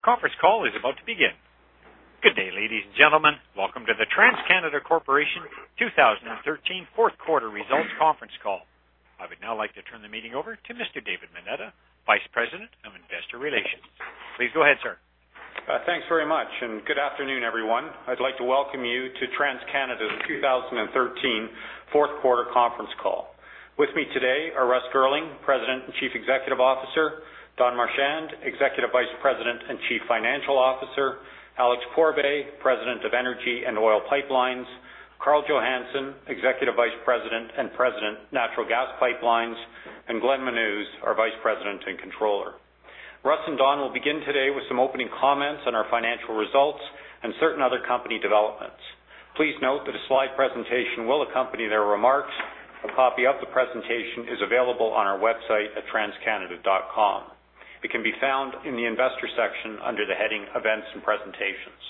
Conference call is about to begin. Good day, ladies and gentlemen. Welcome to the TransCanada Corporation 2013 fourth quarter results conference call. I would now like to turn the meeting over to Mr. David Moneta, Vice President, Investor Relations. Please go ahead, sir. Thanks very much, and good afternoon, everyone. I'd like to welcome you to TransCanada's 2013 fourth quarter conference call. With me today are Russ Girling, President and Chief Executive Officer, Don Marchand, Executive Vice President and Chief Financial Officer, Alex Pourbaix, President of Energy and Oil Pipelines, Karl Johannson, Executive Vice President and President, Natural Gas Pipelines, and Glenn Menuz, our Vice President and Controller. Russ and Don will begin today with some opening comments on our financial results and certain other company developments. Please note that a slide presentation will accompany their remarks. A copy of the presentation is available on our website at transcanada.com. It can be found in the investor section under the heading Events and Presentations.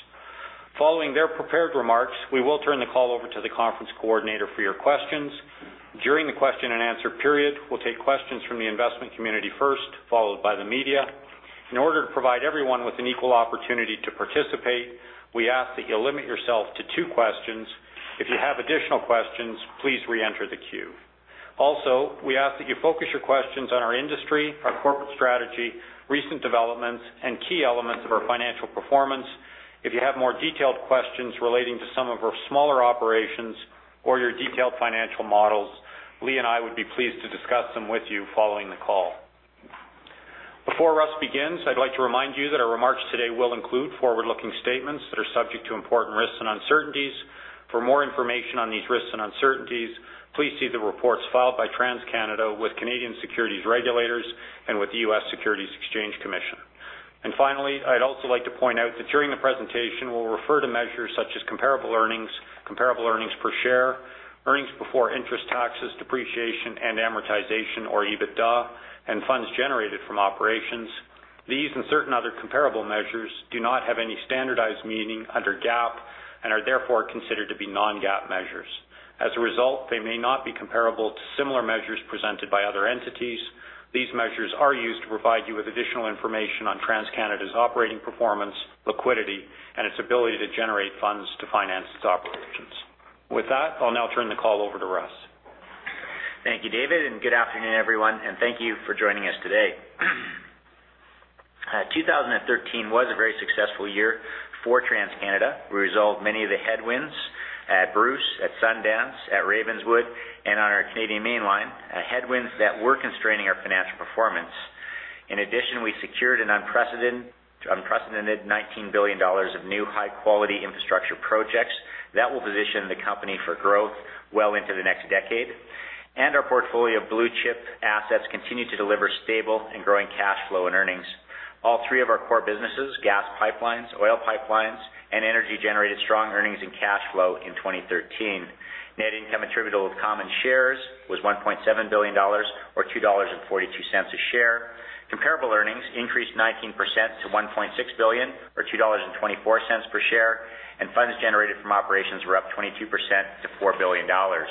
Following their prepared remarks, we will turn the call over to the conference coordinator for your questions. During the question and answer period, we'll take questions from the investment community first, followed by the media. In order to provide everyone with an equal opportunity to participate, we ask that you limit yourself to two questions. If you have additional questions, please reenter the queue. Also, we ask that you focus your questions on our industry, our corporate strategy, recent developments, and key elements of our financial performance. If you have more detailed questions relating to some of our smaller operations or your detailed financial models, Lee and I would be pleased to discuss them with you following the call. Before Russ begins, I'd like to remind you that our remarks today will include forward-looking statements that are subject to important risks and uncertainties. For more information on these risks and uncertainties, please see the reports filed by TransCanada with Canadian securities regulators and with the U.S. Securities and Exchange Commission. Finally, I'd also like to point out that during the presentation, we'll refer to measures such as comparable earnings, comparable earnings per share, earnings before interest, taxes, depreciation, and amortization, or EBITDA, and funds generated from operations. These and certain other comparable measures do not have any standardized meaning under GAAP and are therefore considered to be non-GAAP measures. As a result, they may not be comparable to similar measures presented by other entities. These measures are used to provide you with additional information on TransCanada's operating performance, liquidity, and its ability to generate funds to finance its operations. With that, I'll now turn the call over to Russ. Thank you, David, and good afternoon, everyone, and thank you for joining us today. 2013 was a very successful year for TransCanada. We resolved many of the headwinds at Bruce, at Sundance, at Ravenswood, and on our Canadian Mainline, headwinds that were constraining our financial performance. In addition, we secured an unprecedented 19 billion dollars of new high-quality infrastructure projects that will position the company for growth well into the next decade. Our portfolio of blue-chip assets continued to deliver stable and growing cash flow and earnings. All three of our core businesses, gas pipelines, oil pipelines, and energy, generated strong earnings and cash flow in 2013. Net income attributable to common shares was 1.7 billion dollars, or 2.42 dollars a share. Comparable earnings increased 19% to 1.6 billion or 2.24 dollars per share, and funds generated from operations were up 22% to 4 billion dollars.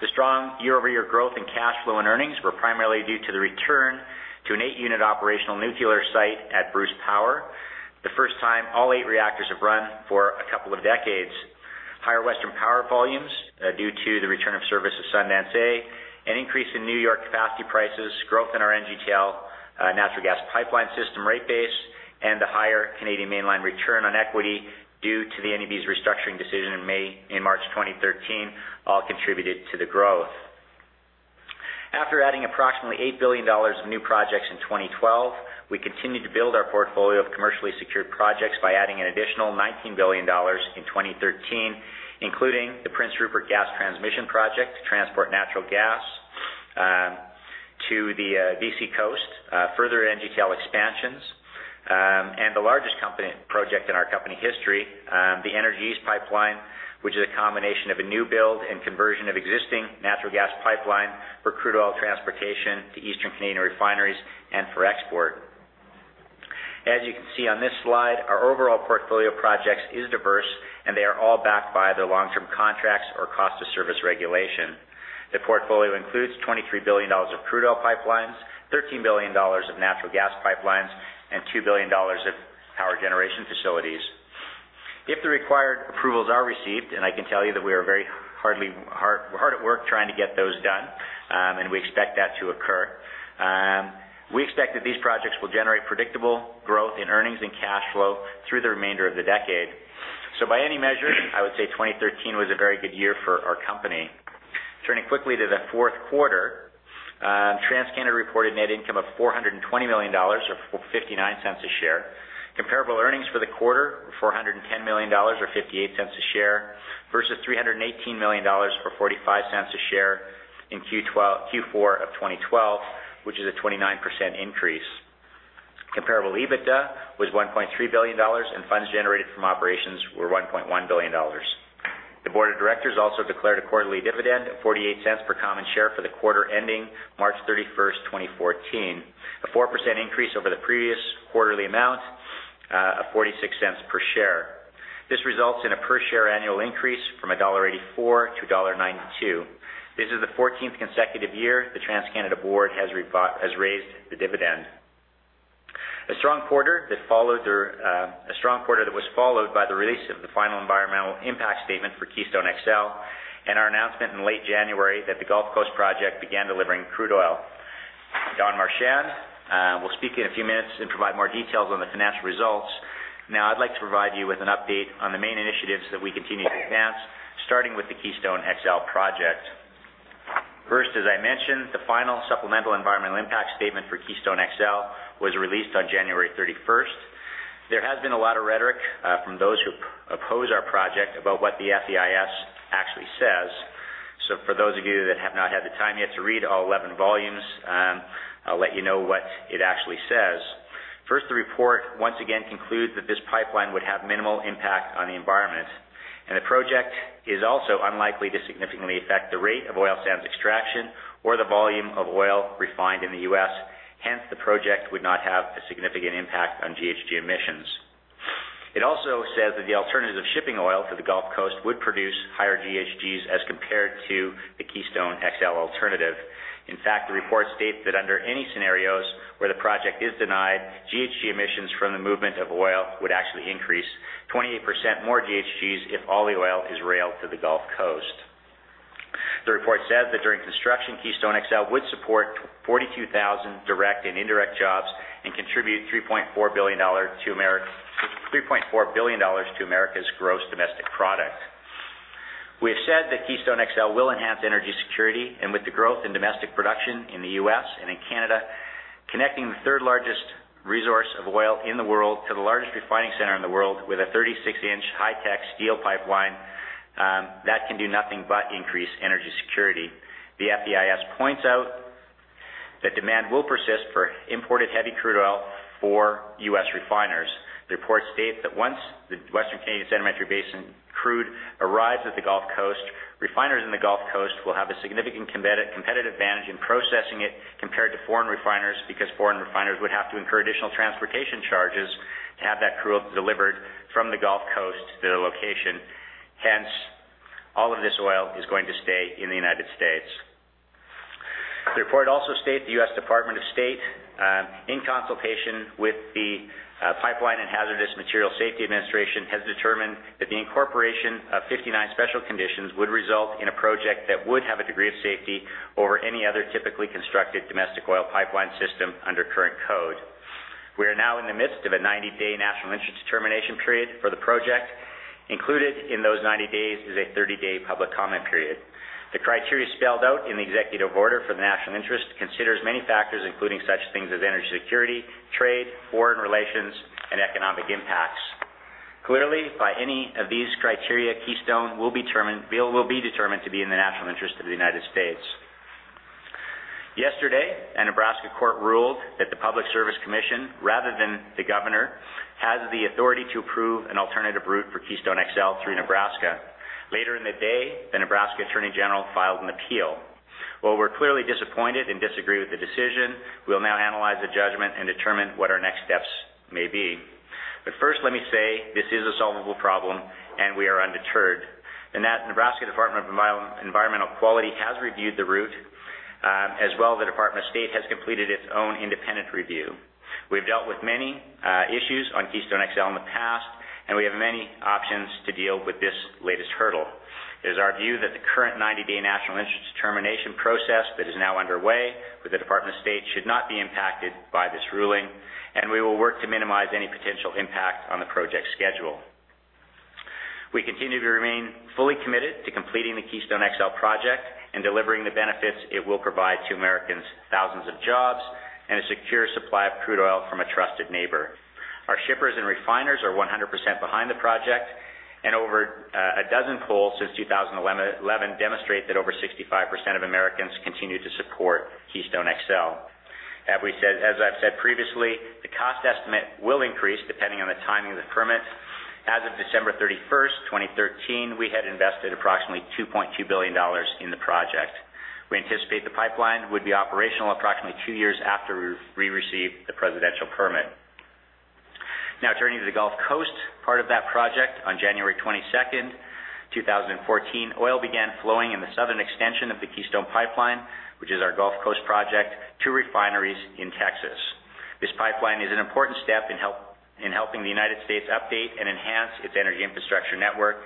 The strong year-over-year growth in cash flow and earnings were primarily due to the return to an eight-unit operational nuclear site at Bruce Power, the first time all eight reactors have run for a couple of decades. Higher Western power volumes due to the return of service to Sundance A, an increase in New York capacity prices, growth in our NGTL natural gas pipeline system rate base, and the higher Canadian Mainline return on equity due to the NEB's restructuring decision in March 2013, all contributed to the growth. After adding approximately 8 billion dollars of new projects in 2012, we continued to build our portfolio of commercially secured projects by adding an additional 19 billion dollars in 2013, including the Prince Rupert Gas Transmission project to transport natural gas to the BC coast, further NGTL expansions, and the largest project in our company history, the Energy East pipeline, which is a combination of a new build and conversion of existing natural gas pipeline for crude oil transportation to eastern Canadian refineries and for export. As you can see on this slide, our overall portfolio of projects is diverse, and they are all backed by the long-term contracts or cost of service regulation. The portfolio includes 23 billion dollars of crude oil pipelines, 13 billion dollars of natural gas pipelines, and 2 billion dollars of power generation facilities. If the required approvals are received, and I can tell you that we are very hard at work trying to get those done, and we expect that to occur, we expect that these projects will generate predictable growth in earnings and cash flow through the remainder of the decade. By any measure, I would say 2013 was a very good year for our company. Turning quickly to the fourth quarter, TransCanada reported net income of 420 million dollars, or 0.59 per share. Comparable earnings for the quarter were 410 million dollars or 0.58 per share versus 318 million dollars or 0.45 per share in Q4 of 2012, which is a 29% increase. Comparable EBITDA was 1.3 billion dollars, and funds generated from operations were 1.1 billion dollars. The board of directors also declared a quarterly dividend of 0.48 per common share for the quarter ending March 31st, 2014, a 4% increase over the previous quarterly amount of 0.46 per share. This results in a per share annual increase from 1.84-1.92 dollar. This is the 14th consecutive year the TransCanada board has raised the dividend. A strong quarter that was followed by the release of the final environmental impact statement for Keystone XL, and our announcement in late January that the Gulf Coast Project began delivering crude oil. Don Marchand will speak in a few minutes and provide more details on the financial results. Now I'd like to provide you with an update on the main initiatives that we continue to advance, starting with the Keystone XL project. First, as I mentioned, the final supplemental environmental impact statement for Keystone XL was released on January 31st. There has been a lot of rhetoric from those who oppose our project about what the FEIS actually says. For those of you that have not had the time yet to read all 11 volumes, I'll let you know what it actually says. First, the report once again concludes that this pipeline would have minimal impact on the environment, and the project is also unlikely to significantly affect the rate of oil sands extraction or the volume of oil refined in the U.S. Hence, the project would not have a significant impact on GHG emissions. It also says that the alternative of shipping oil to the Gulf Coast would produce higher GHGs as compared to the Keystone XL alternative. In fact, the report states that under any scenarios where the project is denied, GHG emissions from the movement of oil would actually increase 28% more GHGs if all the oil is railed to the Gulf Coast. The report says that during construction, Keystone XL would support 42,000 direct and indirect jobs and contribute $3.4 billion to America's gross domestic product. We have said that Keystone XL will enhance energy security, and with the growth in domestic production in the U.S. and in Canada, connecting the third-largest resource of oil in the world to the largest refining center in the world with a 36 inch high-tech steel pipeline, that can do nothing but increase energy security. The FEIS points out that demand will persist for imported heavy crude oil for U.S. refiners. The report states that once the Western Canadian Sedimentary Basin crude arrives at the Gulf Coast, refiners in the Gulf Coast will have a significant competitive advantage in processing it compared to foreign refiners, because foreign refiners would have to incur additional transportation charges to have that crude oil delivered from the Gulf Coast to their location. Hence, all of this oil is going to stay in the United States. The report also states the U.S. Department of State, in consultation with the Pipeline and Hazardous Materials Safety Administration, has determined that the incorporation of 59 special conditions would result in a project that would have a degree of safety over any other typically constructed domestic oil pipeline system under current code. We are now in the midst of a 90-day National Interest Determination period for the project. Included in those 90 days is a 30-day public comment period. The criteria spelled out in the executive order for the National Interest considers many factors, including such things as energy security, trade, foreign relations, and economic impacts. Clearly, by any of these criteria, Keystone will be determined to be in the national interest of the United States. Yesterday, a Nebraska court ruled that the Nebraska Public Service Commission, rather than the governor, has the authority to approve an alternative route for Keystone XL through Nebraska. Later in the day, the Nebraska Attorney General filed an appeal. While we're clearly disappointed and disagree with the decision, we'll now analyze the judgment and determine what our next steps may be. First, let me say this is a solvable problem, and we are undeterred. In fact, Nebraska Department of Environmental Quality has reviewed the route, as well as the United States Department of State has completed its own independent review. We've dealt with many issues on Keystone XL in the past, and we have many options to deal with this latest hurdle. It is our view that the current 90-day national interest determination process that is now underway with the Department of State should not be impacted by this ruling, and we will work to minimize any potential impact on the project's schedule. We continue to remain fully committed to completing the Keystone XL project and delivering the benefits it will provide to Americans, thousands of jobs, and a secure supply of crude oil from a trusted neighbor. Our shippers and refiners are 100% behind the project, and over a dozen polls since 2011 demonstrate that over 65% of Americans continue to support Keystone XL. As I've said previously, the cost estimate will increase depending on the timing of the permit. As of December 31st, 2013, we had invested approximately $2.2 billion in the project. We anticipate the pipeline would be operational approximately two years after we receive the presidential permit. Now turning to the Gulf Coast Project. On January 22nd, 2014, oil began flowing in the southern extension of the Keystone Pipeline, which is our Gulf Coast Project, to refineries in Texas. This pipeline is an important step in helping the United States update and enhance its energy infrastructure network.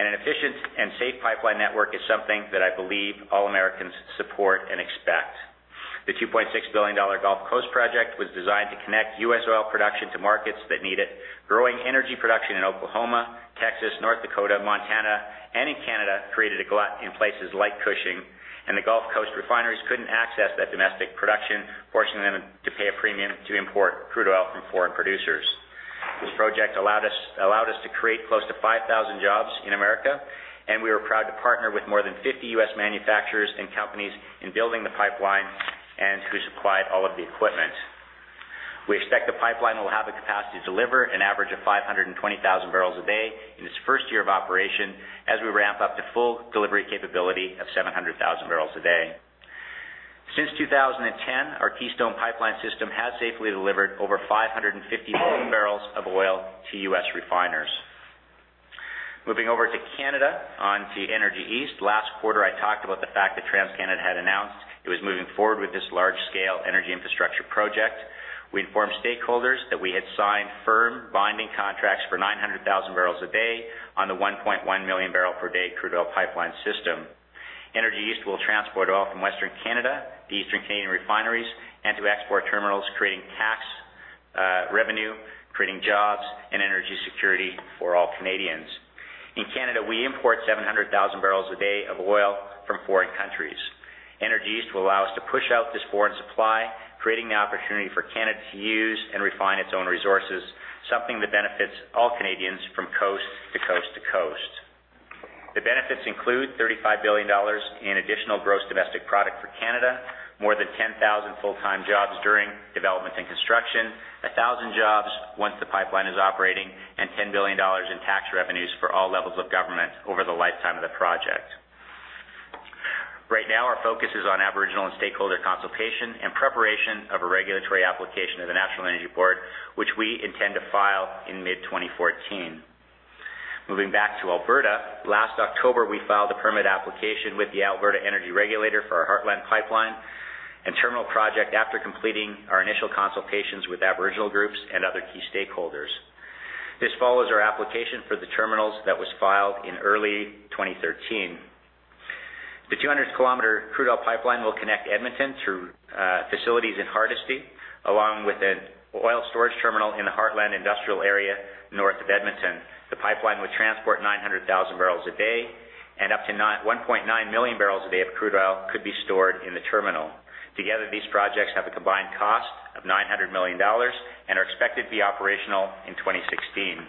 An efficient and safe pipeline network is something that I believe all Americans support and expect. The $2.6 billion Gulf Coast Project was designed to connect U.S. oil production to markets that need it. Growing energy production in Oklahoma, Texas, North Dakota, Montana, and in Canada created a glut in places like Cushing. The Gulf Coast refineries couldn't access that domestic production, forcing them to pay a premium to import crude oil from foreign producers. This project allowed us to create close to 5,000 jobs in America, and we were proud to partner with more than 50 U.S. manufacturers and companies in building the pipeline and who supplied all of the equipment. We expect the pipeline will have the capacity to deliver an average of 520,000 bpd in its first year of operation, as we ramp up to full delivery capability of 700,000 bpd. Since 2010, our Keystone Pipeline System has safely delivered over 550 MMb of oil to U.S. refiners. Moving over to Canada, on to Energy East. Last quarter, I talked about the fact that TransCanada had announced it was moving forward with this large-scale energy infrastructure project. We informed stakeholders that we had signed firm binding contracts for 900,000 bpd on the 1.1 MMbpd crude oil pipeline system. Energy East will transport oil from Western Canada to Eastern Canadian refineries and to export terminals, creating tax revenue, creating jobs, and energy security for all Canadians. In Canada, we import 700,000 bpd of oil from foreign countries. Energy East will allow us to push out this foreign supply, creating the opportunity for Canada to use and refine its own resources, something that benefits all Canadians from coast to coast to coast. The benefits include 35 billion dollars in additional gross domestic product for Canada, more than 10,000 full-time jobs during development and construction, 1,000 jobs once the pipeline is operating, and 10 billion dollars in tax revenues for all levels of government over the lifetime of the project. Right now, our focus is on Aboriginal and stakeholder consultation and preparation of a regulatory application to the National Energy Board, which we intend to file in mid-2014. Moving back to Alberta. Last October, we filed a permit application with the Alberta Energy Regulator for our Heartland Pipeline and Terminal Project after completing our initial consultations with Aboriginal groups and other key stakeholders. This follows our application for the terminals that was filed in early 2013. The 200 km crude oil pipeline will connect Edmonton to facilities in Hardisty, along with an oil storage terminal in the Heartland Industrial area north of Edmonton. The pipeline would transport 900,000 bpd and up to 1.9 MMbpd of crude oil could be stored in the terminal. Together, these projects have a combined cost of 900 million dollars and are expected to be operational in 2016.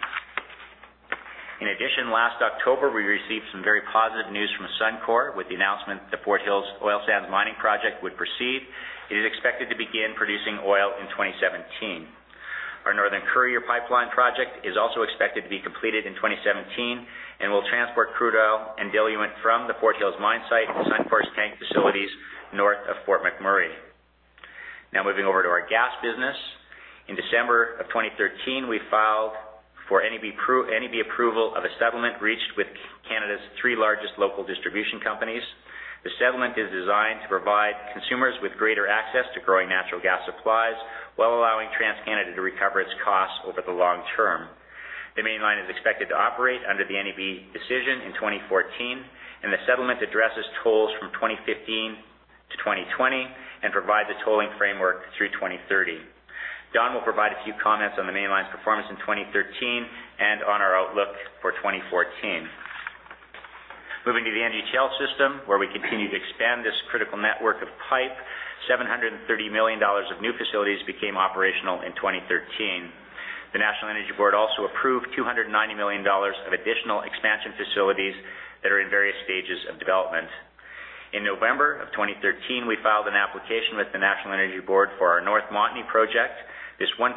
In addition, last October, we received some very positive news from Suncor with the announcement that Fort Hills Oil Sands mining project would proceed. It is expected to begin producing oil in 2017. Our Northern Courier Pipeline project is also expected to be completed in 2017 and will transport crude oil and diluent from the Fort Hills mine site to Suncor's tank facilities north of Fort McMurray. Now moving over to our gas business. In December of 2013, we filed for NEB approval of a settlement reached with Canada's three largest local distribution companies. The settlement is designed to provide consumers with greater access to growing natural gas supplies while allowing TransCanada to recover its costs over the long term. The Mainline is expected to operate under the NEB decision in 2014, and the settlement addresses tolls from 2015 to 2020 and provides a tolling framework through 2030. Don will provide a few comments on the mainline's performance in 2013 and on our outlook for 2014. Moving to the NGTL system, where we continue to expand this critical network of pipe, 730 million dollars of new facilities became operational in 2013. The National Energy Board also approved 290 million dollars of additional expansion facilities that are in various stages of development. In November of 2013, we filed an application with the National Energy Board for our North Montney project. This 1.7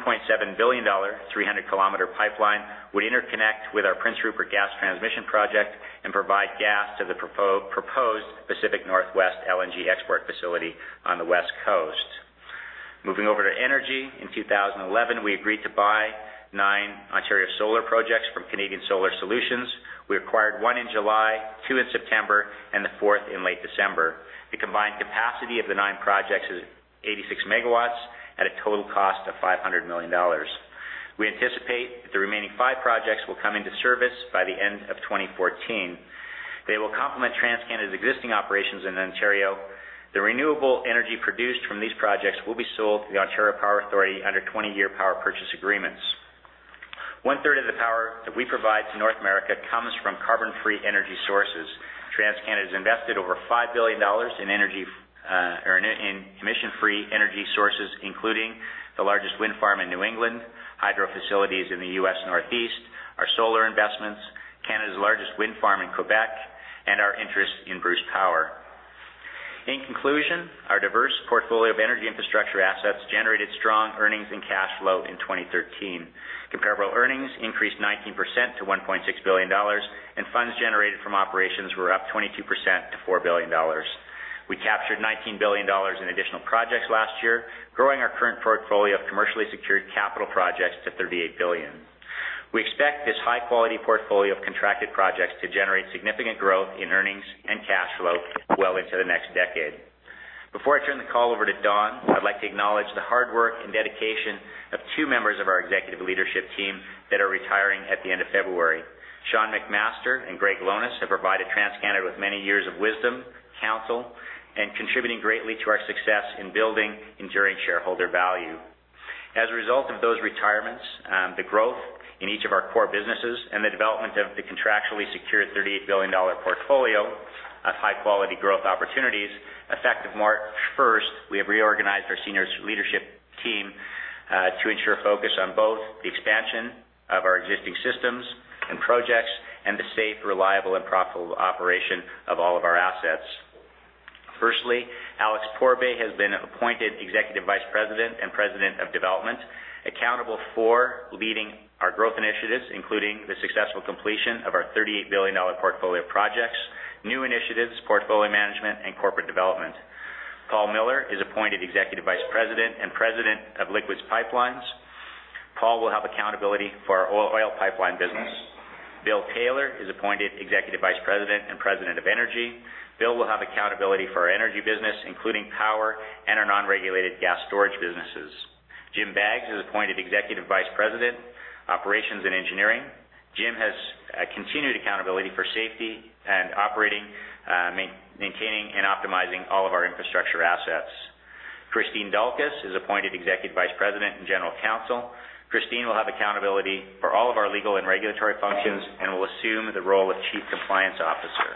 billion dollar, 300 km pipeline would interconnect with our Prince Rupert Gas Transmission project and provide gas to the proposed Pacific NorthWest LNG export facility on the West Coast. Moving over to energy. In 2011, we agreed to buy nine Ontario solar projects from Canadian Solar. We acquired one in July, two in September, and the fourth in late December. The combined capacity of the nine projects is 86 MW at a total cost of 500 million dollars. We anticipate that the remaining five projects will come into service by the end of 2014. They will complement TransCanada's existing operations in Ontario. The renewable energy produced from these projects will be sold to the Ontario Power Authority under 20-year power purchase agreements. One-third of the power that we provide to North America comes from carbon-free energy sources. TransCanada has invested over 5 billion dollars in emission-free energy sources, including the largest wind farm in New England, hydro facilities in the U.S. Northeast, our solar investments, Canada's largest wind farm in Quebec, and our interest in Bruce Power. In conclusion, our diverse portfolio of energy infrastructure assets generated strong earnings and cash flow in 2013. Comparable earnings increased 19% to 1.6 billion dollars, and funds generated from operations were up 22% to 4 billion dollars. We captured 19 billion dollars in additional projects last year, growing our current portfolio of commercially secured capital projects to 38 billion. We expect this high-quality portfolio of contracted projects to generate significant growth in earnings and cash flow well into the next decade. Before I turn the call over to Don, I'd like to acknowledge the hard work and dedication of two members of our executive leadership team that are retiring at the end of February. Sean McMaster and Gregory A. Lohnes have provided TransCanada with many years of wisdom, counsel, and contributing greatly to our success in building enduring shareholder value. As a result of those retirements, the growth in each of our core businesses, and the development of the contractually secured 38 billion dollar portfolio of high-quality growth opportunities, effective March 1st, we have reorganized our senior leadership team, to ensure focus on both the expansion of our existing systems and projects and the safe, reliable, and profitable operation of all of our assets. Firstly, Alex Pourbaix has been appointed Executive Vice President and President of Development. Accountable for leading our growth initiatives, including the successful completion of our 38 billion dollar portfolio of projects, new initiatives, portfolio management, and corporate development. Paul Miller is appointed Executive Vice President and President of Liquids Pipelines. Paul will have accountability for our oil pipeline business. Bill Taylor is appointed Executive Vice President and President of Energy. Bill will have accountability for our energy business, including power and our non-regulated gas storage businesses. Jim Baggs is appointed Executive Vice President, Operations and Engineering. Jim has continued accountability for safety and operating, maintaining, and optimizing all of our infrastructure assets. Kristine Delkus is appointed Executive Vice President and General Counsel. Kristine will have accountability for all of our legal and regulatory functions and will assume the role of Chief Compliance Officer.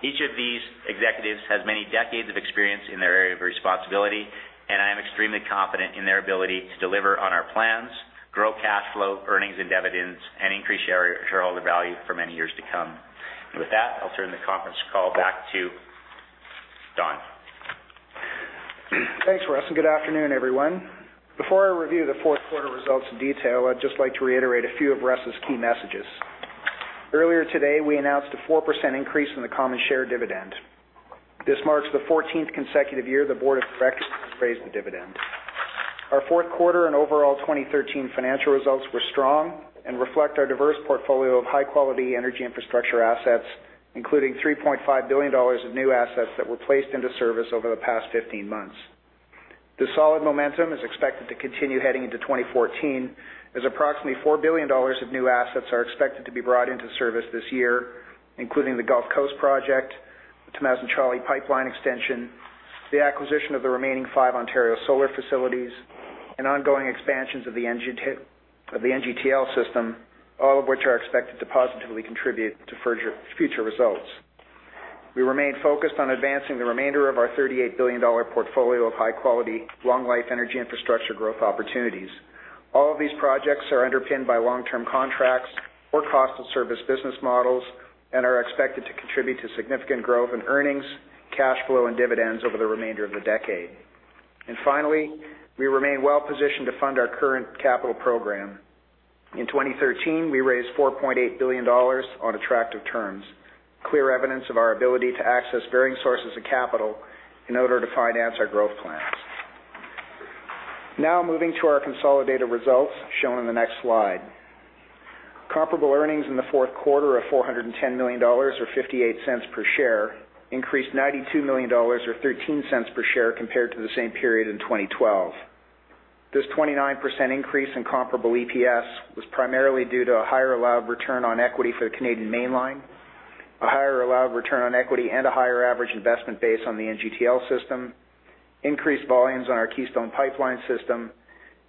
Each of these executives has many decades of experience in their area of responsibility, and I am extremely confident in their ability to deliver on our plans, grow cash flow, earnings, and dividends, and increase shareholder value for many years to come. With that, I'll turn the conference call back to Don. Thanks, Russ, and good afternoon, everyone. Before I review the fourth quarter results in detail, I'd just like to reiterate a few of Russ' key messages. Earlier today, we announced a 4% increase in the common share dividend. This marks the 14th consecutive year the board of directors has raised the dividend. Our fourth quarter and overall 2013 financial results were strong and reflect our diverse portfolio of high-quality energy infrastructure assets, including 3.5 billion dollars of new assets that were placed into service over the past 15 months. The solid momentum is expected to continue heading into 2014, as approximately 4 billion dollars of new assets are expected to be brought into service this year, including the Gulf Coast Project, the Tamazunchale pipeline extension, the acquisition of the remaining 5 Ontario solar facilities, and ongoing expansions of the NGTL system, all of which are expected to positively contribute to future results. We remain focused on advancing the remainder of our 38 billion dollar portfolio of high-quality, long-life energy infrastructure growth opportunities. All of these projects are underpinned by long-term contracts or cost of service business models and are expected to contribute to significant growth in earnings, cash flow, and dividends over the remainder of the decade. We remain well-positioned to fund our current capital program. In 2013, we raised 4.8 billion dollars on attractive terms, clear evidence of our ability to access varying sources of capital in order to finance our growth plans. Now moving to our consolidated results, shown in the next slide. Comparable earnings in the fourth quarter of 410 million dollars, or 0.58 per share, increased 92 million dollars, or 0.13 per share compared to the same period in 2012. This 29% increase in comparable EPS was primarily due to a higher allowed return on equity for the Canadian Mainline, a higher allowed return on equity and a higher average investment base on the NGTL system, increased volumes on our Keystone Pipeline System,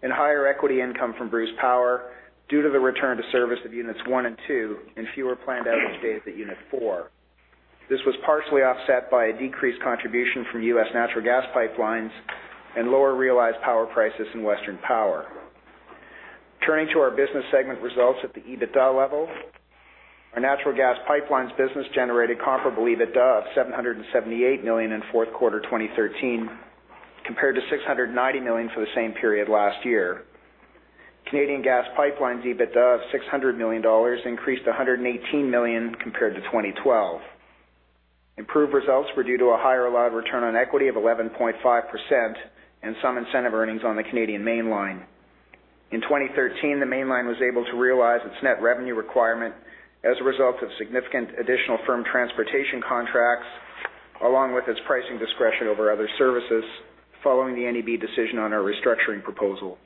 and higher equity income from Bruce Power due to the return to service of units one and two and fewer planned outage days at unit four. This was partially offset by a decreased contribution from U.S. natural gas pipelines and lower realized power prices in Western Power. Turning to our business segment results at the EBITDA level, our natural gas pipelines business generated comparable EBITDA of 778 million in fourth quarter 2013, compared to 690 million for the same period last year. Canadian gas pipelines EBITDA of CAD 600 million increased by CAD 118 million compared to 2012. Improved results were due to a higher allowed return on equity of 11.5% and some incentive earnings on the Canadian Mainline. In 2013, the Mainline was able to realize its net revenue requirement as a result of significant additional firm transportation contracts, along with its pricing discretion over other services following the NEB decision on our restructuring proposal.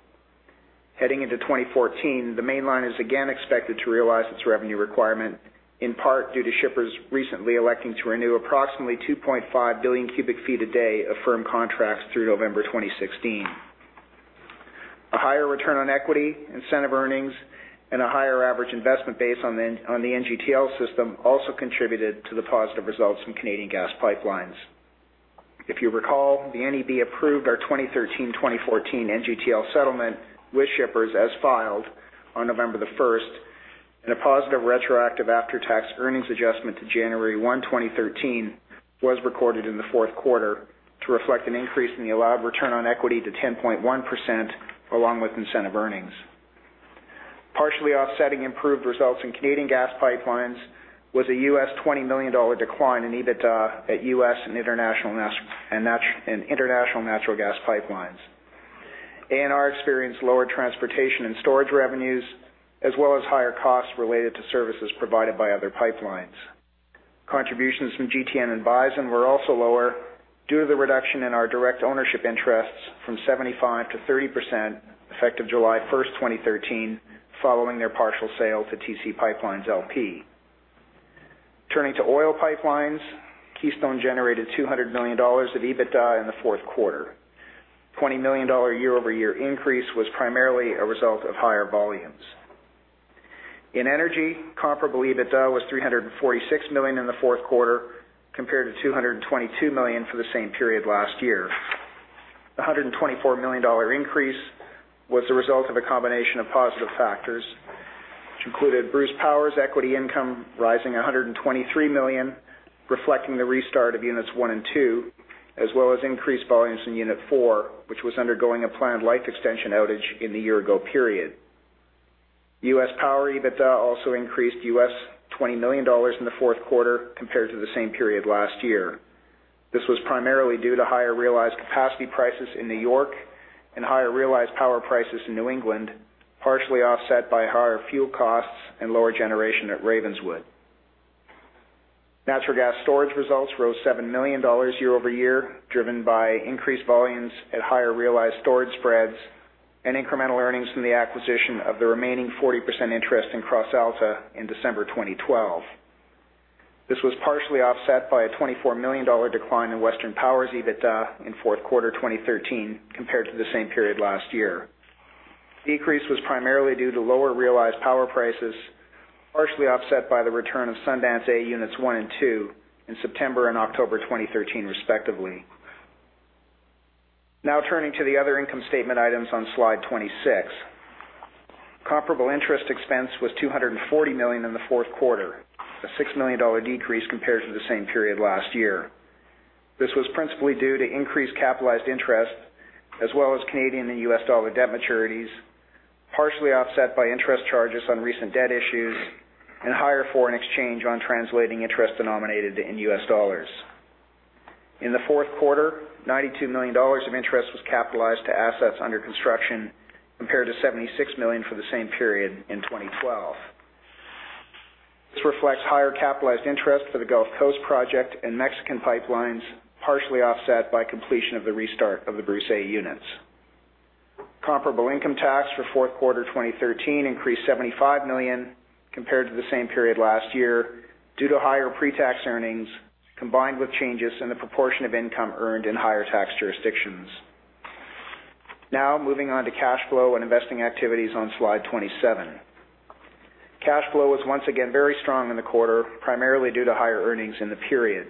Heading into 2014, the Canadian Mainline is again expected to realize its revenue requirement, in part due to shippers recently electing to renew approximately 2.5 billion cu ft a day of firm contracts through November 2016. A higher return on equity, incentive earnings, and a higher average investment base on the NGTL System also contributed to the positive results in Canadian Natural Gas Pipelines. If you recall, the NEB approved our 2013-2014 NGTL settlement with shippers as filed on November the first, and a positive retroactive after-tax earnings adjustment to January 1, 2013, was recorded in the fourth quarter to reflect an increase in the allowed return on equity to 10.1%, along with incentive earnings. Partially offsetting improved results in Canadian Natural Gas Pipelines was a $20 million decline in EBITDA at U.S. and International Natural Gas Pipelines. ANR experienced lower transportation and storage revenues, as well as higher costs related to services provided by other pipelines. Contributions from GTN and Bison were also lower due to the reduction in our direct ownership interests from 75%-30% effective July 1st, 2013, following their partial sale to TC PipeLines, LP. Turning to oil pipelines, Keystone generated 200 million dollars of EBITDA in the fourth quarter. 20 million dollar year-over-year increase was primarily a result of higher volumes. In energy, comparable EBITDA was 346 million in the fourth quarter, compared to 222 million for the same period last year. The 124 million dollar increase was the result of a combination of positive factors, which included Bruce Power's equity income rising 123 million, reflecting the restart of units one and two, as well as increased volumes in unit four, which was undergoing a planned life extension outage in the year ago period. U.S. Power EBITDA also increased $20 million in the fourth quarter compared to the same period last year. This was primarily due to higher realized capacity prices in New York and higher realized power prices in New England, partially offset by higher fuel costs and lower generation at Ravenswood. Natural gas storage results rose $7 million year-over-year, driven by increased volumes at higher realized storage spreads and incremental earnings from the acquisition of the remaining 40% interest in CrossAlta in December 2012. This was partially offset by a $24 million decline in Western Power's EBITDA in fourth quarter 2013 compared to the same period last year. Decrease was primarily due to lower realized power prices, partially offset by the return of Sundance A Units 1 and 2 in September and October 2013, respectively. Now turning to the other income statement items on slide 26. Comparable interest expense was 240 million in the fourth quarter, a 6 million dollar decrease compared to the same period last year. This was principally due to increased capitalized interest, as well as Canadian and US dollar debt maturities, partially offset by interest charges on recent debt issues and higher foreign exchange on translating interest denominated in U.S. dollars. In the fourth quarter, 92 million dollars of interest was capitalized to assets under construction, compared to 76 million for the same period in 2012. This reflects higher capitalized interest for the Gulf Coast Project and Mexican pipelines, partially offset by completion of the restart of the Bruce A units. Comparable income tax for fourth quarter 2013 increased 75 million compared to the same period last year due to higher pre-tax earnings, combined with changes in the proportion of income earned in higher tax jurisdictions. Now moving on to cash flow and investing activities on slide 27. Cash flow was once again very strong in the quarter, primarily due to higher earnings in the period.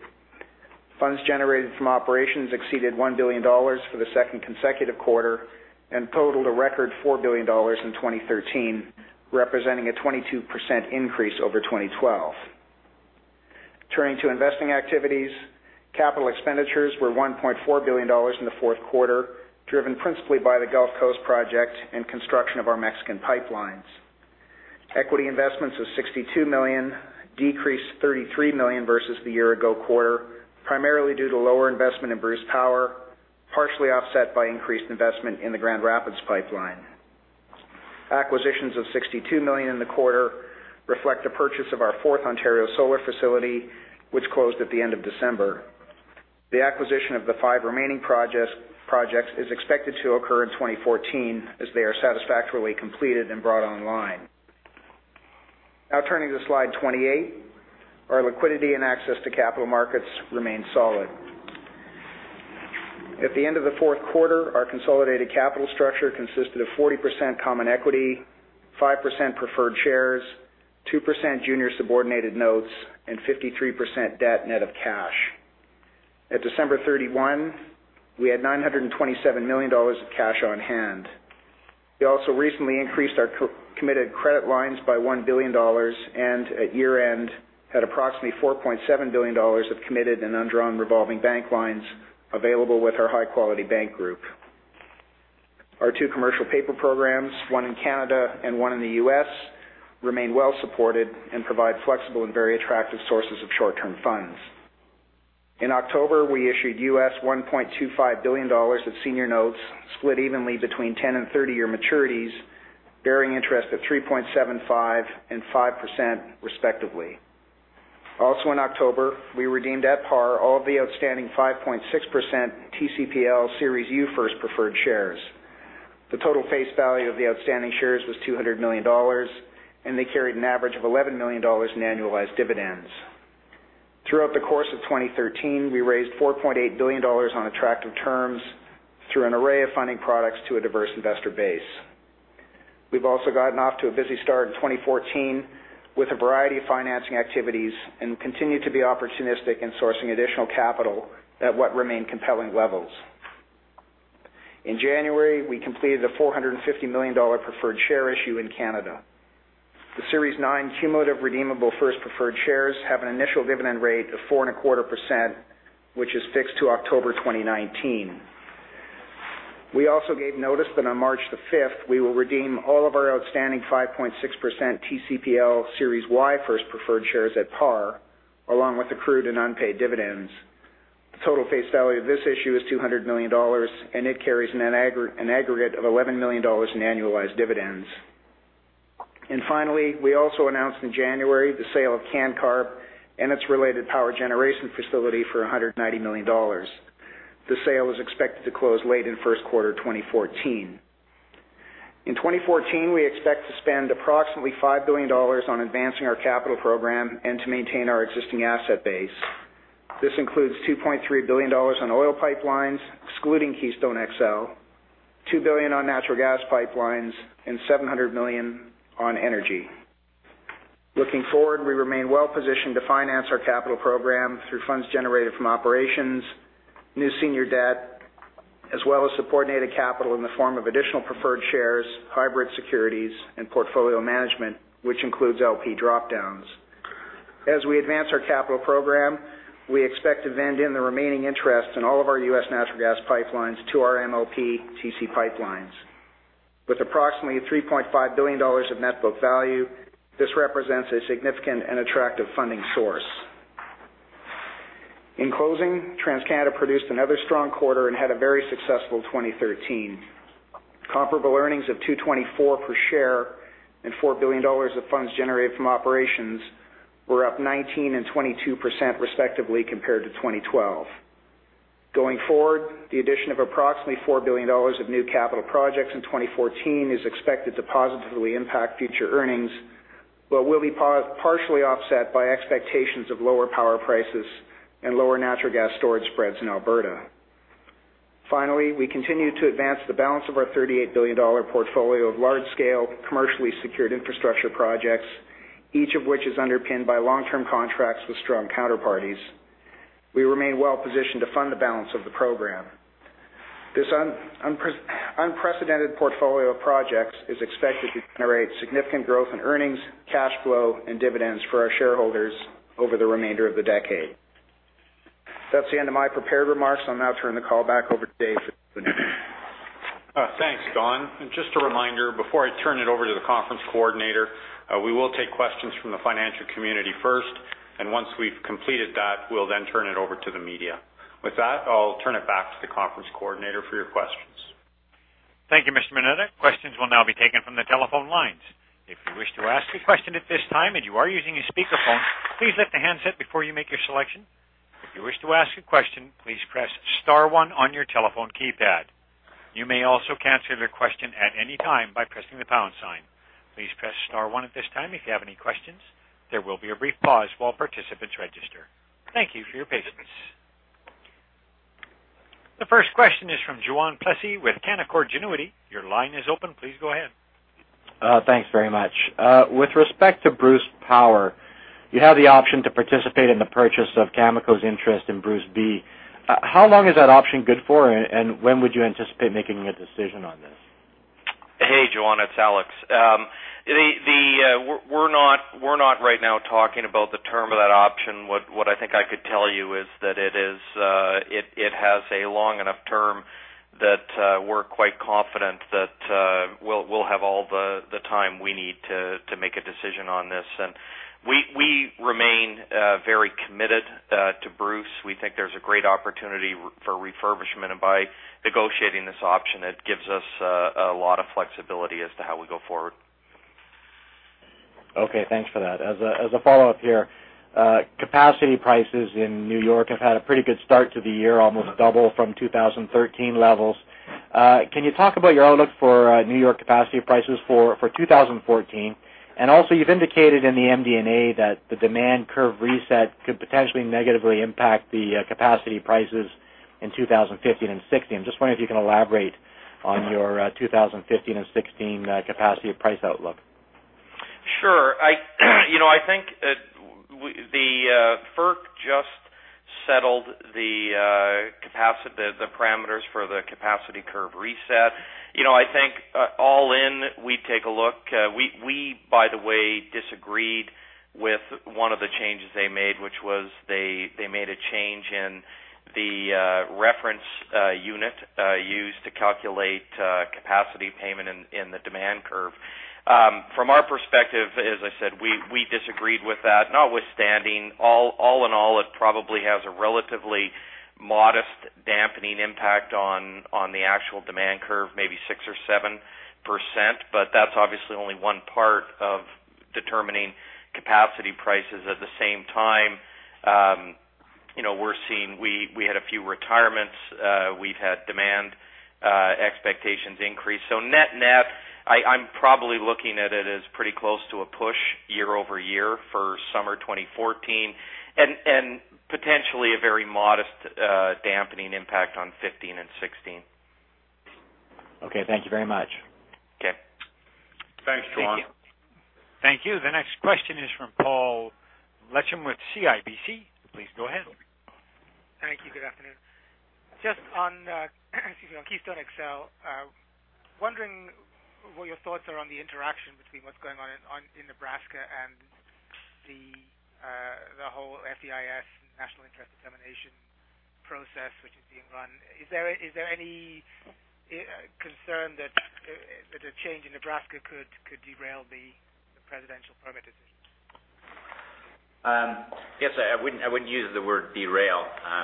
Funds generated from operations exceeded 1 billion dollars for the second consecutive quarter and totaled a record 4 billion dollars in 2013, representing a 22% increase over 2012. Turning to investing activities, capital expenditures were 1.4 billion dollars in the fourth quarter, driven principally by the Gulf Coast Project and construction of our Mexican pipelines. Equity investments of 62 million decreased 33 million versus the year-ago quarter, primarily due to lower investment in Bruce Power, partially offset by increased investment in the Grand Rapids Pipeline. Acquisitions of CAD 62 million in the quarter reflect the purchase of our fourth Ontario solar facility, which closed at the end of December. The acquisition of the five remaining projects is expected to occur in 2014 as they are satisfactorily completed and brought online. Now turning to slide 28. Our liquidity and access to capital markets remain solid. At the end of the fourth quarter, our consolidated capital structure consisted of 40% common equity, 5% preferred shares, 2% junior subordinated notes, and 53% debt net of cash. At December 31, we had 927 million dollars of cash on hand. We also recently increased our committed credit lines by 1 billion dollars and at year-end had approximately 4.7 billion dollars of committed and undrawn revolving bank lines available with our high-quality bank group. Our two commercial paper programs, one in Canada and one in the U.S., remain well supported and provide flexible and very attractive sources of short-term funds. In October, we issued $1.25 billion of senior notes, split evenly between 10- and 30-year maturities, bearing interest of 3.75% and 5%, respectively. Also in October, we redeemed at par all of the outstanding 5.6% TransCanada PipeLines Limited Series U First Preferred Shares. The total face value of the outstanding shares was 200 million dollars, and they carried an average of 11 million dollars in annualized dividends. Throughout the course of 2013, we raised 4.8 billion dollars on attractive terms through an array of funding products to a diverse investor base. We have also gotten off to a busy start in 2014 with a variety of financing activities and continue to be opportunistic in sourcing additional capital at what remain compelling levels. In January, we completed a 450 million dollar preferred share issue in Canada. The Series 9 Cumulative Redeemable First Preferred Shares have an initial dividend rate of 4.25%, which is fixed to October 2019. We also gave notice that on March the 5th, we will redeem all of our outstanding 5.6% TCPL Series Y First Preferred Shares at par, along with accrued and unpaid dividends. The total face value of this issue is 200 million dollars, and it carries an aggregate of 11 million dollars in annualized dividends. Finally, we also announced in January the sale of Cancarb and its related power generation facility for 190 million dollars. The sale is expected to close late in first quarter 2014. In 2014, we expect to spend approximately 5 billion dollars on advancing our capital program and to maintain our existing asset base. This includes 2.3 billion dollars on oil pipelines, excluding Keystone XL, 2 billion on natural gas pipelines, and 700 million on energy. Looking forward, we remain well positioned to finance our capital program through funds generated from operations, new senior debt. As well as subordinated capital in the form of additional preferred shares, hybrid securities, and portfolio management, which includes LP drop-downs. As we advance our capital program, we expect to vend in the remaining interest in all of our U.S. natural gas pipelines to our MLP TC PipeLines, LP. With approximately $3.5 billion of net book value, this represents a significant and attractive funding source. In closing, TransCanada produced another strong quarter and had a very successful 2013. Comparable earnings of $2.24 per share and $4 billion of funds generated from operations were up 19% and 22% respectively compared to 2012. Going forward, the addition of approximately 4 billion dollars of new capital projects in 2014 is expected to positively impact future earnings, but will be partially offset by expectations of lower power prices and lower natural gas storage spreads in Alberta. Finally, we continue to advance the balance of our 38 billion dollar portfolio of large-scale, commercially secured infrastructure projects, each of which is underpinned by long-term contracts with strong counterparties. We remain well-positioned to fund the balance of the program. This unprecedented portfolio of projects is expected to generate significant growth in earnings, cash flow, and dividends for our shareholders over the remainder of the decade. That's the end of my prepared remarks. I'll now turn the call back over to Dave. Thanks, Don. Just a reminder, before I turn it over to the conference coordinator, we will take questions from the financial community first, and once we've completed that, we'll then turn it over to the media. With that, I'll turn it back to the conference coordinator for your questions. Thank you, Mr. Moneta. Questions will now be taken from the telephone lines. If you wish to ask a question at this time and you are using a speakerphone, please lift the handset before you make your selection. If you wish to ask a question, please press star one on your telephone keypad. You may also cancel your question at any time by pressing the pound sign. Please press star one at this time if you have any questions. There will be a brief pause while participants register. Thank you for your patience. The first question is from Juan Plessis with Canaccord Genuity. Your line is open. Please go ahead. Thanks very much. With respect to Bruce Power, you have the option to participate in the purchase of Cameco's interest in Bruce B. How long is that option good for, and when would you anticipate making a decision on this? Hey, Juan, it's Alex. We're not right now talking about the term of that option. What I think I could tell you is that it has a long enough term that we're quite confident that we'll have all the time we need to make a decision on this. We remain very committed to Bruce. We think there's a great opportunity for refurbishment, and by negotiating this option, it gives us a lot of flexibility as to how we go forward. Okay, thanks for that. As a follow-up here, capacity prices in New York have had a pretty good start to the year, almost double from 2013 levels. Can you talk about your outlook for New York capacity prices for 2014? You've indicated in the MD&A that the demand curve reset could potentially negatively impact the capacity prices in 2015 and 2016. Just wondering if you can elaborate on your 2015 and 2016 capacity price outlook. Sure. I think the FERC just settled the parameters for the capacity curve reset. I think all in, we take a look. We, by the way, disagreed with one of the changes they made, which was they made a change in the reference unit used to calculate capacity payment in the demand curve. From our perspective, as I said, we disagreed with that. Notwithstanding, all in all, it probably has a relatively modest dampening impact on the actual demand curve, maybe 6% or 7%, but that's obviously only one part of determining capacity prices at the same time. We're seeing we had a few retirements. We've had demand expectations increase. Net-net, I'm probably looking at it as pretty close to a push year over year for summer 2014 and potentially a very modest dampening impact on 2015 and 2016. Okay, thank you very much. Okay. Thanks, Juan Plessis. Thank you. The next question is from Paul Lechem with CIBC. Please go ahead. Thank you. Good afternoon. Just on Keystone XL, wondering what your thoughts are on the interaction between what's going on in Nebraska and the whole FEIS, National Interest Determination process, which is being run. Is there any concern that a change in Nebraska could derail the presidential permit decisions? Yes, I wouldn't use the word derail.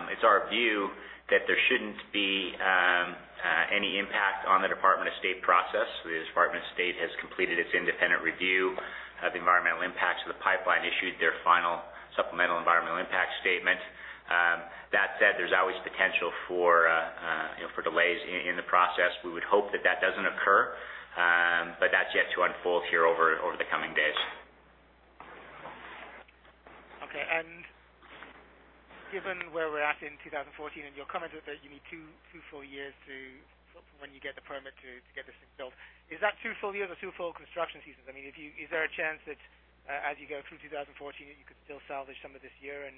It's our view that there shouldn't be any impact on the Department of State process. The Department of State has completed its independent review of the environmental impacts of the pipeline, issued their final supplemental environmental impact statement. That said, there's always potential for delays in the process. We would hope that that doesn't occur, but that's yet to unfold here over the coming days. Okay. Given where we're at in 2014 and your comment that you need two full years to when you get the permit to get this thing built, is that two full years or two full construction seasons? Is there a chance that as you go through 2014, you could still salvage some of this year and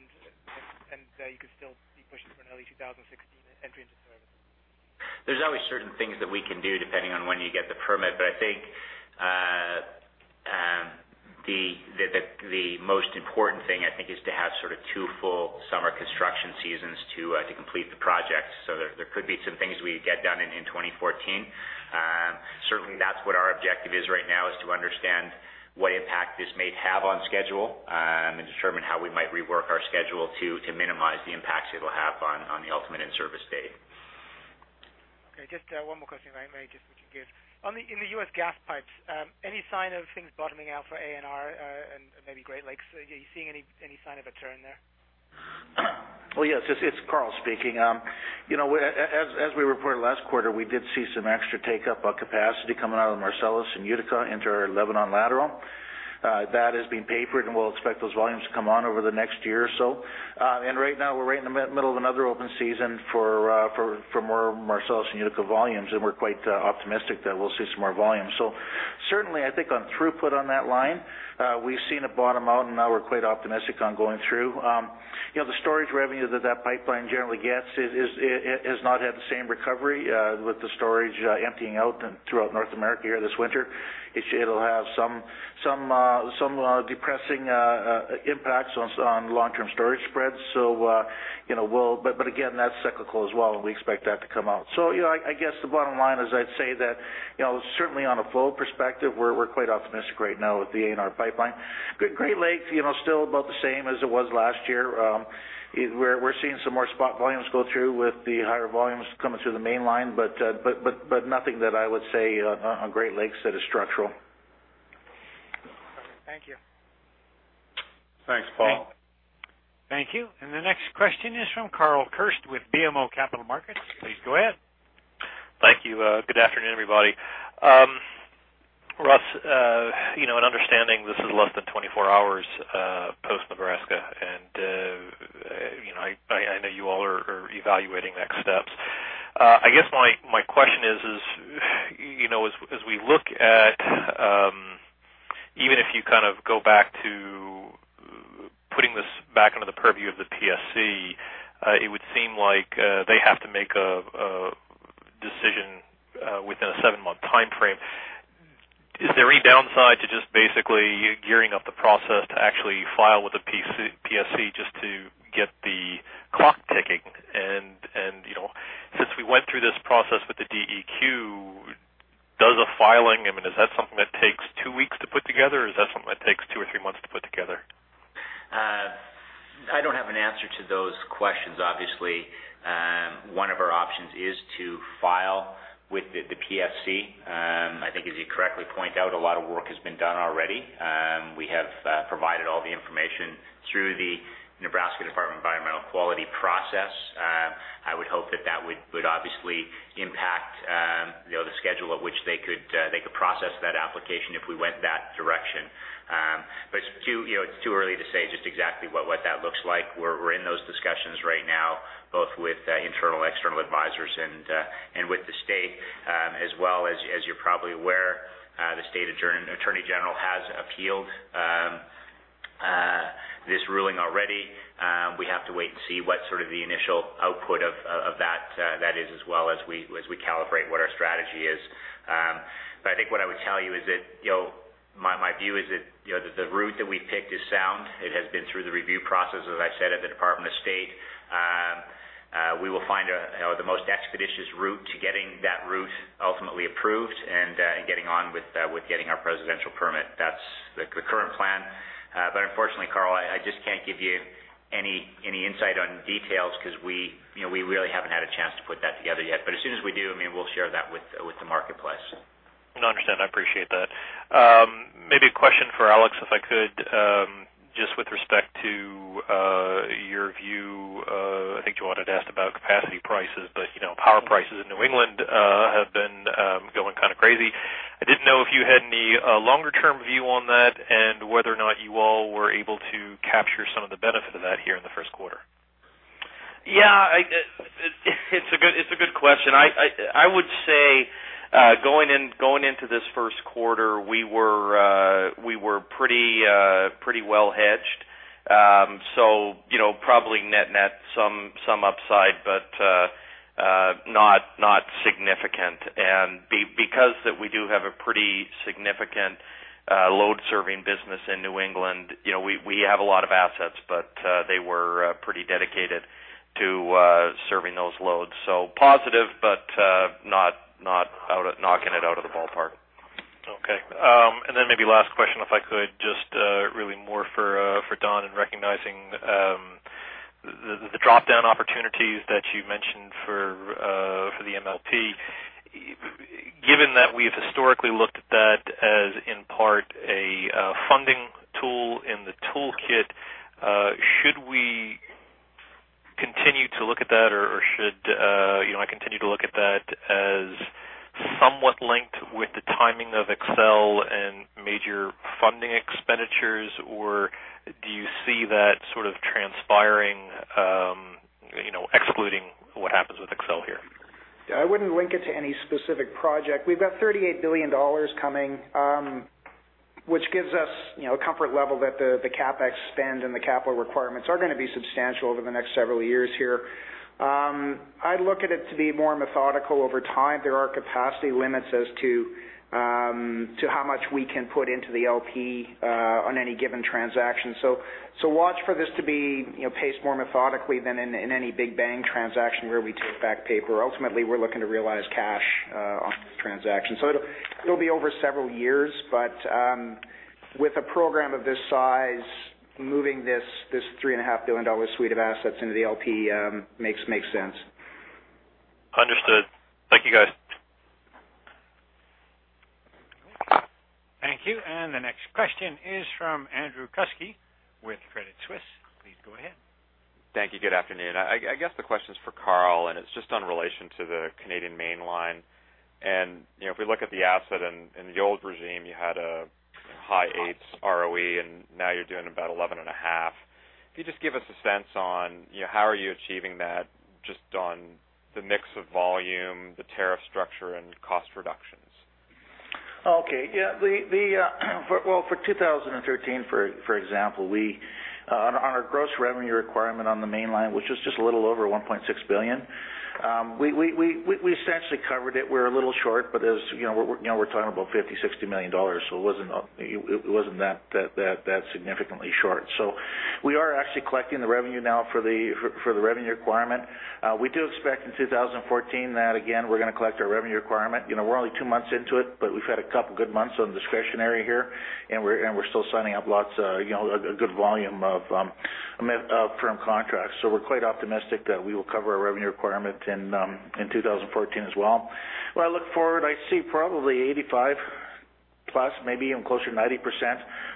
you could still be pushing for an early 2016 entry into service? There's always certain things that we can do depending on when you get the permit. I think the most important thing is to have sort of two full summer construction seasons to complete the project. There could be some things we get done in 2014. Certainly, that's what our objective is right now, is to understand what impact this may have on schedule and determine how we might rework our schedule to minimize the impacts it'll have on the ultimate in-service date. Okay. Just one more question, if I may, just looking good. In the U.S. gas pipes, any sign of things bottoming out for ANR and maybe Great Lakes? Are you seeing any sign of a turn there? Well, yes. It's Karl speaking. As we reported last quarter, we did see some extra take-up on capacity coming out of Marcellus and Utica into our Lebanon lateral. That is being papered, and we'll expect those volumes to come on over the next year or so. Right now we're right in the middle of another open season for more Marcellus and Utica volumes, and we're quite optimistic that we'll see some more volumes. Certainly, I think on throughput on that line, we've seen it bottom out, and now we're quite optimistic on going through. The storage revenue that pipeline generally gets has not had the same recovery with the storage emptying out throughout North America here this winter. It'll have some depressing impacts on long-term storage spreads. Again, that's cyclical as well, and we expect that to come out. I guess the bottom line is I'd say that certainly on a flow perspective, we're quite optimistic right now with the ANR Pipeline. Great Lakes, still about the same as it was last year. We're seeing some more spot volumes go through with the higher volumes coming through the main line, but nothing that I would say on Great Lakes that is structural. Okay. Thank you. Thanks, Paul. Thank you. The next question is from Carl Kirst with BMO Capital Markets. Please go ahead. Thank you. Good afternoon, everybody. Russ, I understand this is less than 24 hours post Nebraska, and I know you all are evaluating next steps. I guess my question is, as we look at even if you kind of go back to putting this back under the purview of the PSC, it would seem like they have to make a decision within a seven-month timeframe. Is there any downside to just basically gearing up the process to actually file with the PSC just to get the clock ticking? Since we went through this process with the DEQ, does a filing take two weeks to put together, or does that take two or three months to put together? I don't have an answer to those questions. Obviously, one of our options is to file with the PSC. I think as you correctly point out, a lot of work has been done already. We have provided all the information through the Nebraska Department of Environmental Quality process. I would hope that that would obviously impact the schedule at which they could process that application if we went that direction. It's too early to say just exactly what that looks like. We're in those discussions right now, both with internal, external advisors and with the state. As well as you're probably aware, the State Attorney General has appealed this ruling already. We have to wait and see what sort of the initial output of that is, as well as we calibrate what our strategy is. I think what I would tell you is that my view is that the route that we picked is sound. It has been through the review process, as I said, at the Department of State. We will find the most expeditious route to getting that route ultimately approved and getting on with getting our presidential permit. That's the current plan. Unfortunately, Carl, I just can't give you any insight on details because we really haven't had a chance to put that together yet. As soon as we do, we'll share that with the marketplace. No, I understand. I appreciate that. Maybe a question for Alex, if I could, just with respect to your view. I think Juan had asked about capacity prices, but power prices in New England have been going kind of crazy. I didn't know if you had any longer-term view on that and whether or not you all were able to capture some of the benefit of that here in the first quarter. Yeah. It's a good question. I would say, going into this first quarter, we were pretty well hedged. Probably net-net some upside, but not significant. Because we do have a pretty significant load-serving business in New England, we have a lot of assets, but they were pretty dedicated to serving those loads. Positive, but not knocking it out of the ballpark. Okay. Maybe last question, if I could, just really more for Don and recognizing the drop-down opportunities that you mentioned for the MLP. Given that we've historically looked at that as in part a funding tool in the toolkit, should we continue to look at that, or should I continue to look at that as somewhat linked with the timing of Keystone XL and major funding expenditures, or do you see that transpiring, excluding what happens with XL here? I wouldn't link it to any specific project. We've got 38 billion dollars coming, which gives us a comfort level that the CapEx spend and the capital requirements are going to be substantial over the next several years here. I'd look at it to be more methodical over time. There are capacity limits as to how much we can put into the LP on any given transaction. Watch for this to be paced more methodically than in any big bang transaction where we take back paper. Ultimately, we're looking to realize cash on the transaction. It'll be over several years, but with a program of this size, moving this 3.5 billion dollar suite of assets into the LP makes sense. Understood. Thank you, guys. Thank you. The next question is from Andrew Kuske with Credit Suisse. Please go ahead. Thank you. Good afternoon. I guess the question's for Karl, and it's just in relation to the Canadian Mainline. If we look at the asset in the old regime, you had a high eights ROE, and now you're doing about 11.5. Can you just give us a sense on how are you achieving that just on the mix of volume, the tariff structure, and cost reductions? Well, for 2013, for example, on our gross revenue requirement on the Mainline, which is just a little over 1.6 billion, we essentially covered it. We're a little short, but as you know, we're talking about 50 million, 60 million dollars, so it wasn't that significantly short. We are actually collecting the revenue now for the revenue requirement. We do expect in 2014 that, again, we're going to collect our revenue requirement. We're only two months into it, but we've had a couple good months on discretionary here, and we're still signing up lots of good volume of firm contracts. We're quite optimistic that we will cover our revenue requirement in 2014 as well. When I look forward, I see probably 85+, maybe even closer to 90%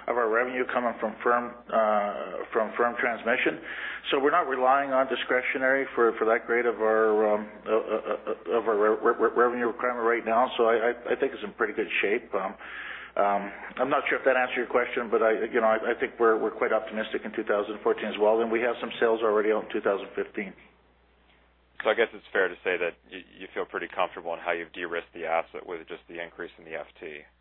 of our revenue coming from firm transmission. We're not relying on discretionary for that great of our revenue requirement right now. I think it's in pretty good shape. I'm not sure if that answered your question, but I think we're quite optimistic in 2014 as well, and we have some sales already on 2015. I guess it's fair to say that you feel pretty comfortable in how you've de-risked the asset with just the increase in the FT. Well,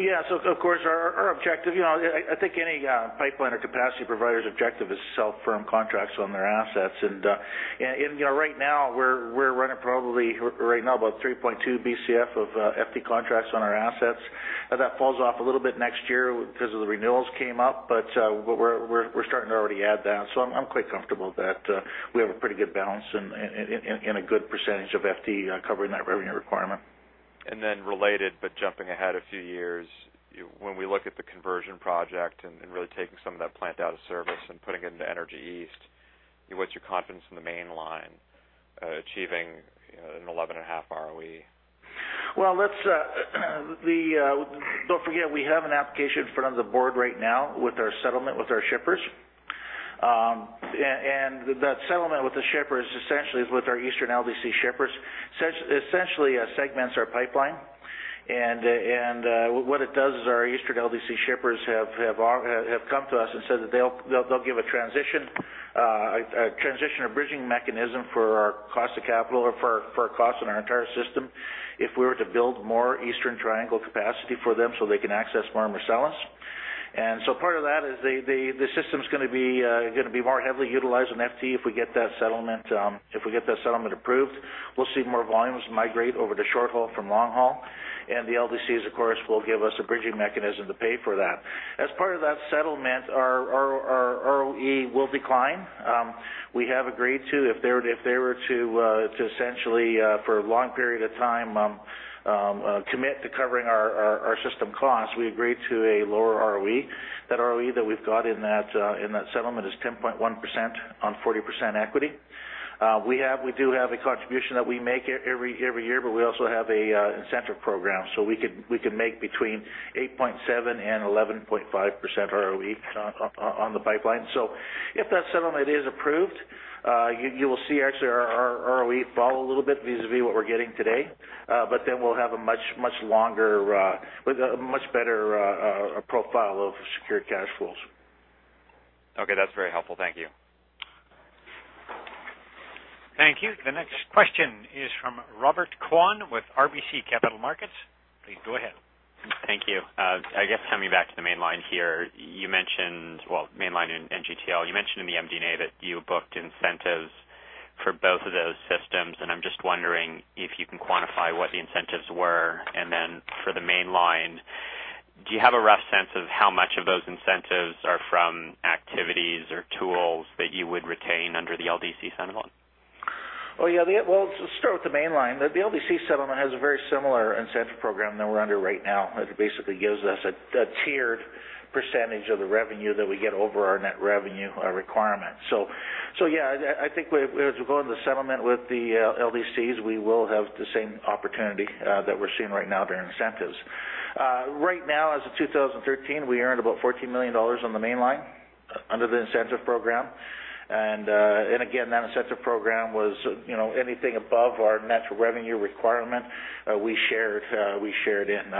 yeah. Of course, our objective, I think any pipeline or capacity provider's objective is to sell firm contracts on their assets. Right now we're running probably right now about 3.2 Bcf of FT contracts on our assets. That falls off a little bit next year because of the renewals came up, but we're starting to already add that. I'm quite comfortable that we have a pretty good balance and a good percentage of FT covering that revenue requirement. related, but jumping ahead a few years, when we look at the conversion project and really taking some of that plant out of service and putting it into Energy East, what's your confidence in the Mainline achieving an 11.5 ROE? Well, don't forget, we have an application in front of the board right now with our settlement with our shippers. That settlement with the shippers essentially is with our eastern LDC shippers, essentially segments our pipeline and what it does is our eastern LDC shippers have come to us and said that they'll give a transition or bridging mechanism for our cost of capital or for our cost on our entire system if we were to build more eastern triangle capacity for them so they can access more Marcellus. Part of that is the system's going to be more heavily utilized in FT if we get that settlement approved. We'll see more volumes migrate over to short haul from long haul, and the LDCs, of course, will give us a bridging mechanism to pay for that. As part of that settlement, our ROE will decline. We have agreed to, if they were to essentially for a long period of time commit to covering our system costs, we agreed to a lower ROE. That ROE that we've got in that settlement is 10.1% on 40% equity. We do have a contribution that we make every year, but we also have a incentive program, so we could make between 8.7%-11.5% ROE on the pipeline. If that settlement is approved, you will see actually our ROE fall a little bit vis-à-vis what we're getting today. We'll have a much better profile of secured cash flows. Okay. That's very helpful. Thank you. Thank you. The next question is from Robert Kwan with RBC Capital Markets. Please go ahead. Thank you. I guess coming back to the Mainline here. You mentioned, well, Mainline and NGTL, you mentioned in the MD&A that you booked incentives for both of those systems, and I'm just wondering if you can quantify what the incentives were. For the Mainline, do you have a rough sense of how much of those incentives are from activities or tools that you would retain under the LDC settlement? Well, yeah. Well, let's start with the Mainline. The LDC settlement has a very similar incentive program than we're under right now, that basically gives us a tiered percentage of the revenue that we get over our net revenue requirement. Yeah, I think as we go into settlement with the LDCs, we will have the same opportunity that we're seeing right now to earn incentives. Right now as of 2013, we earned about 14 million dollars on the Mainline under the incentive program. Again, that incentive program was anything above our net revenue requirement we shared in.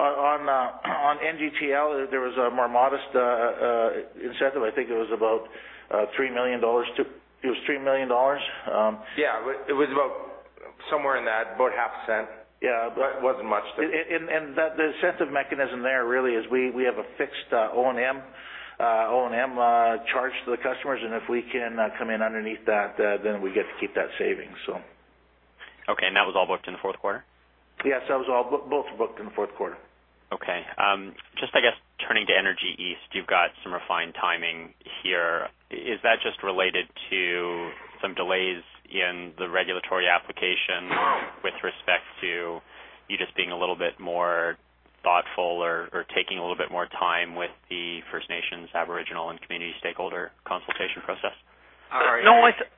On NGTL, there was a more modest incentive. I think it was about 3 million dollars. Yeah. It was about somewhere in that, about half a cent. Yeah. It wasn't much. The incentive mechanism there really is we have a fixed O&M charge to the customers, and if we can come in underneath that, then we get to keep that saving. Okay. That was all booked in the fourth quarter? Yes, that was all both booked in the fourth quarter. Okay. Just, I guess, turning to Energy East, you've got some refined timing here. Is that just related to some delays in the regulatory application with respect to you just being a little bit more thoughtful or taking a little bit more time with the First Nations, Aboriginal, and community stakeholder consultation process? No, I th-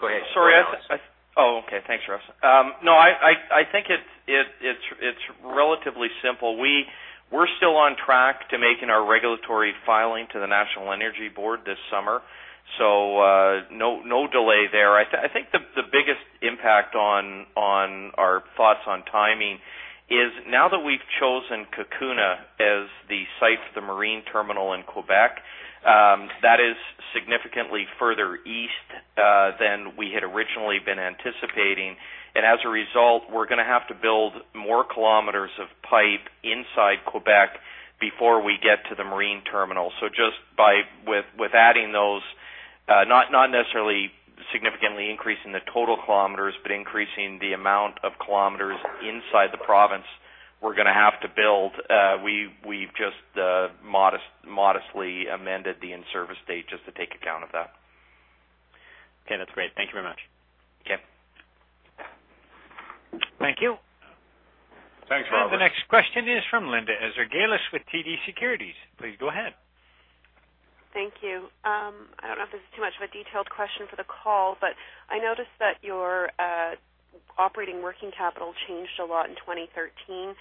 Go ahead. Sorry. Go ahead, Russ. Oh, okay. Thanks, Russ. No, I think it's relatively simple. We're still on track to making our regulatory filing to the National Energy Board this summer, so no delay there. I think the biggest impact on our thoughts on timing is now that we've chosen Cacouna as the site for the marine terminal in Quebec, that is significantly further east than we had originally been anticipating. As a result, we're going to have to build more kilometers of pipe inside Quebec before we get to the marine terminal. Just with adding those, not necessarily significantly increasing the total kilometers, but increasing the amount of kilometers inside the province we're going to have to build. We've just modestly amended the in-service date just to take account of that. Okay. That's great. Thank you very much. Okay. Thank you. Thanks, Robert. The next question is from Linda Ezergailis with TD Securities. Please go ahead. Thank you. I don't know if this is too much of a detailed question for the call, but I noticed that your operating working capital changed a lot in 2013,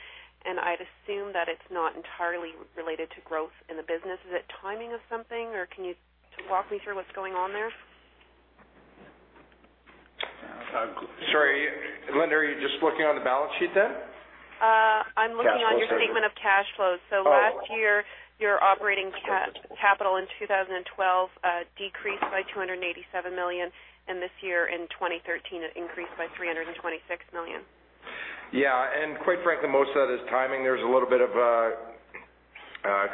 and I'd assume that it's not entirely related to growth in the business. Is it timing of something, or can you walk me through what's going on there? Sorry, Linda, are you just looking on the balance sheet then? I'm looking on your statement of cash flows. Oh. Last year, your operating capital in 2012 decreased by 287 million, and this year in 2013, it increased by 326 million. Yeah. Quite frankly, most of it is timing. There's a little bit of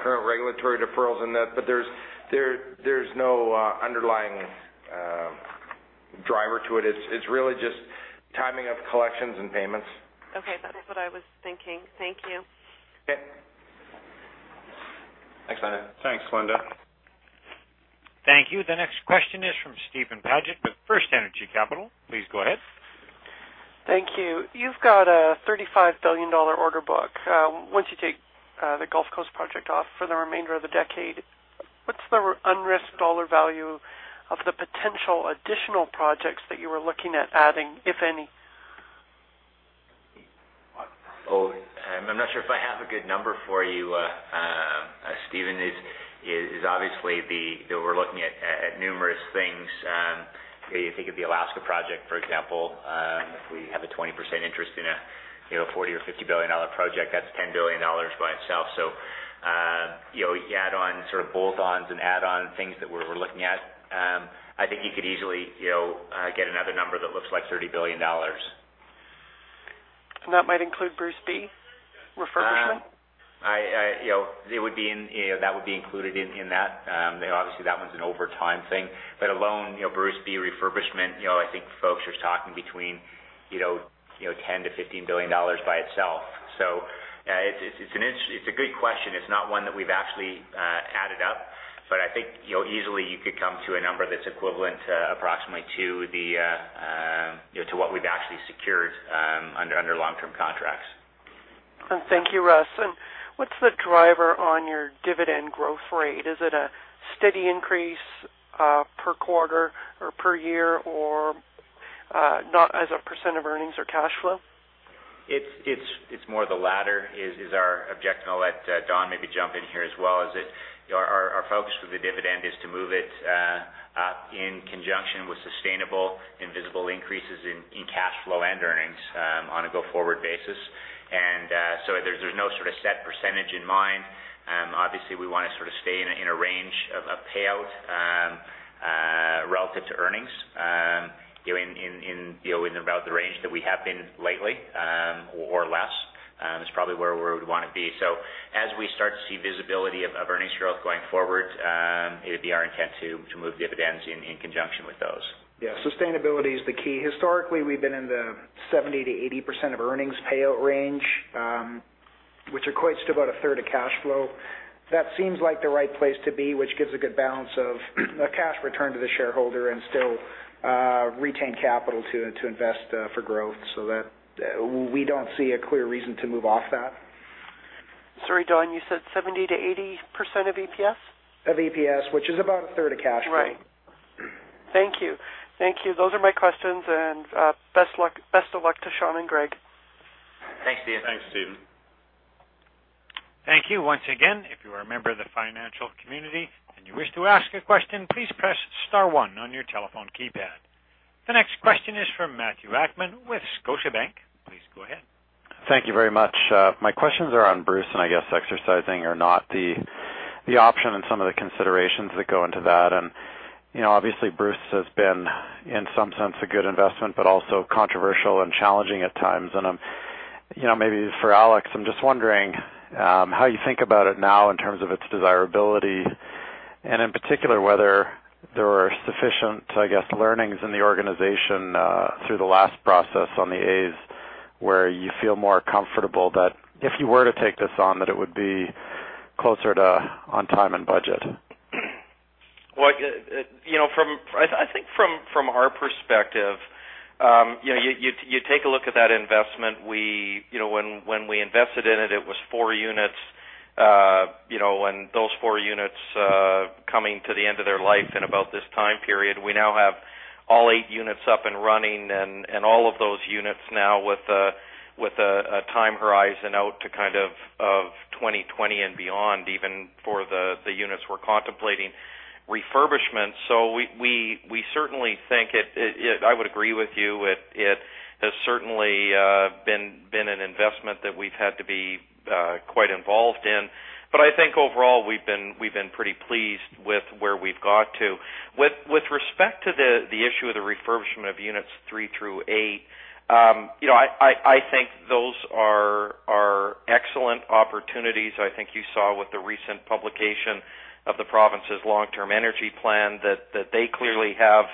current regulatory deferrals in that, but there's no underlying driver to it. It's really just timing of collections and payments. Okay. That's what I was thinking. Thank you. Okay. Thanks, Linda. Thank you. The next question is from Steven Paget with FirstEnergy Capital. Please go ahead. Thank you. You've got a $35 billion order book. Once you take the Gulf Coast Project off for the remainder of the decade, what's the unrisked dollar value of the potential additional projects that you were looking at adding, if any? I'm not sure if I have a good number for you, Steven. Obviously, we're looking at numerous things. If you think of the Alaska project, for example, we have a 20% interest in a $40 billion-$50 billion project. That's $10 billion by itself. You add on sort of bolt-ons and add-on things that we're looking at, I think you could easily get another number that looks like $30 billion. That might include Bruce B refurbishment? That would be included in that. Obviously, that one's an over time thing, but alone, Bruce B refurbishment, I think folks are talking between 10 billion-15 billion dollars by itself. It's a great question. It's not one that we've actually added up, but I think, easily you could come to a number that's equivalent approximately to what we've actually secured under long-term contracts. Thank you, Russ. What's the driver on your dividend growth rate? Is it a steady increase per quarter or per year or not as a percentage of earnings or cash flow? It's more the latter is our objective, and I'll let Don maybe jump in here as well, is that our focus with the dividend is to move it up in conjunction with sustainable and visible increases in cash flow and earnings on a go-forward basis. There's no sort of set percentage in mind. Obviously, we want to sort of stay in a range of payout relative to earnings in about the range that we have been lately or less. That's probably where we would want to be. As we start to see visibility of earnings growth going forward, it would be our intent to move dividends in conjunction with those. Yeah, sustainability is the key. Historically, we've been in the 70%-80% of earnings payout range, which equates to about a third of cash flow. That seems like the right place to be, which gives a good balance of a cash return to the shareholder and still retain capital to invest for growth. We don't see a clear reason to move off that. Sorry, Don, you said 70%-80% of EPS? Of EPS, which is about a third of cash flow. Thank you. Those are my questions, and best of luck to Sean and Greg. Thanks, Steven. Thanks, Steven. Thank you. Once again, if you are a member of the financial community and you wish to ask a question, please press star one on your telephone keypad. The next question is from Matthew Akman with Scotiabank. Please go ahead. Thank you very much. My questions are on Bruce, and I guess exercising or not the option and some of the considerations that go into that. Obviously Bruce has been in some sense a good investment, but also controversial and challenging at times. Maybe for Alex, I'm just wondering how you think about it now in terms of its desirability and in particular whether there are sufficient, I guess, learnings in the organization through the last process on the A where you feel more comfortable that if you were to take this on, that it would be closer to on time and budget. Well, I think from our perspective, you take a look at that investment. When we invested in it was four units, and those four units coming to the end of their life in about this time period. We now have all eight units up and running and all of those units now with a time horizon out to kind of 2020 and beyond, even for the units we're contemplating refurbishment. We certainly think it. I would agree with you. It has certainly been an investment that we've had to be quite involved in. I think overall we've been pretty pleased with where we've got to. With respect to the issue of the refurbishment of units three through eight, I think those are excellent opportunities. I think you saw with the recent publication of the province's long-term energy plan that they clearly have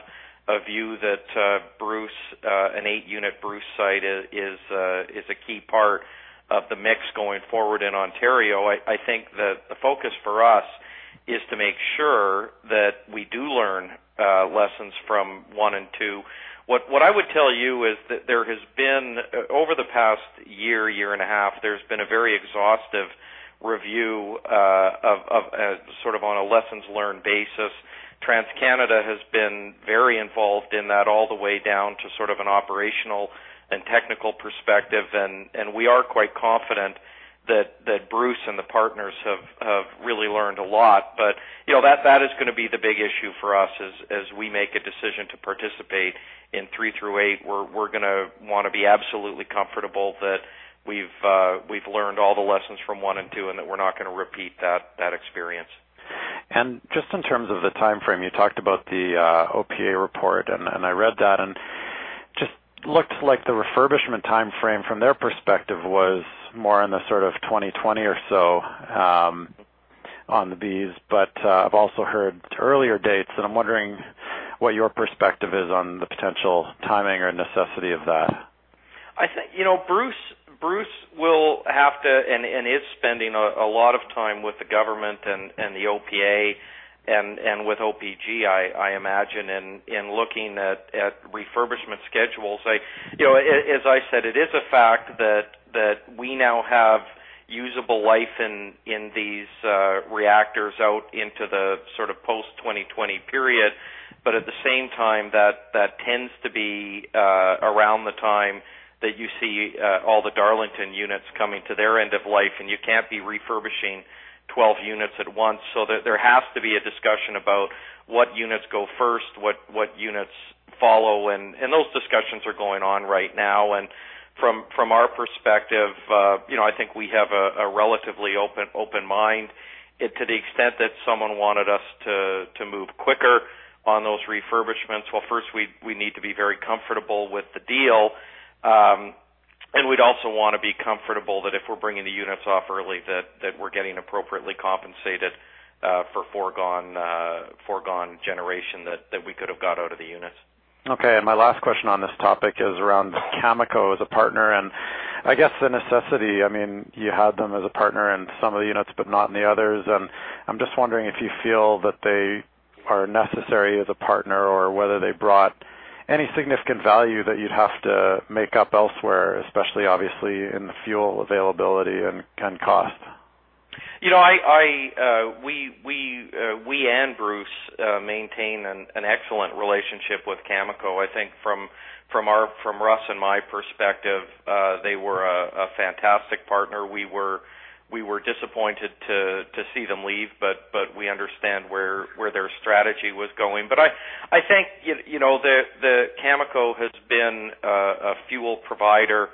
a view that an eight-unit Bruce site is a key part of the mix going forward in Ontario. I think that the focus for us is to make sure that we do learn lessons from one and two. What I would tell you is that there has been, over the past 1.5 year, there's been a very exhaustive review sort of on a lessons learned basis. TransCanada has been very involved in that all the way down to sort of an operational and technical perspective, and we are quite confident that Bruce and the partners have really learned a lot. That is going to be the big issue for us as we make a decision to participate in three through through. We're going to want to be absolutely comfortable that we've learned all the lessons from one and two and that we're not going to repeat that experience. Just in terms of the timeframe, you talked about the OPA report, and I read that, and it just looked like the refurbishment timeframe from their perspective was more in the sort of 2020 or so on the Bs, but I've also heard earlier dates, and I'm wondering what your perspective is on the potential timing or necessity of that. I think Bruce will have to and is spending a lot of time with the government and the OPA and with OPG, I imagine, in looking at refurbishment schedules. As I said, it is a fact that we now have usable life in these reactors out into the sort of post 2020 period. At the same time, that tends to be around the time that you see all the Darlington units coming to their end of life, and you can't be refurbishing 12 units at once. There has to be a discussion about what units go first, what units follow, and those discussions are going on right now, and from our perspective I think we have a relatively open mind to the extent that someone wanted us to move quicker on those refurbishments. Well, first we need to be very comfortable with the deal, and we'd also want to be comfortable that if we're bringing the units off early, that we're getting appropriately compensated for foregone generation that we could have got out of the units. Okay. My last question on this topic is around Cameco as a partner and I guess the necessity. You had them as a partner in some of the units, but not in the others. I'm just wondering if you feel that they are necessary as a partner or whether they brought any significant value that you'd have to make up elsewhere, especially obviously in the fuel availability and cost. We and Bruce maintain an excellent relationship with Cameco. I think from Russ and my perspective, they were a fantastic partner. We were disappointed to see them leave, but we understand where their strategy was going. I think Cameco has been a fuel provider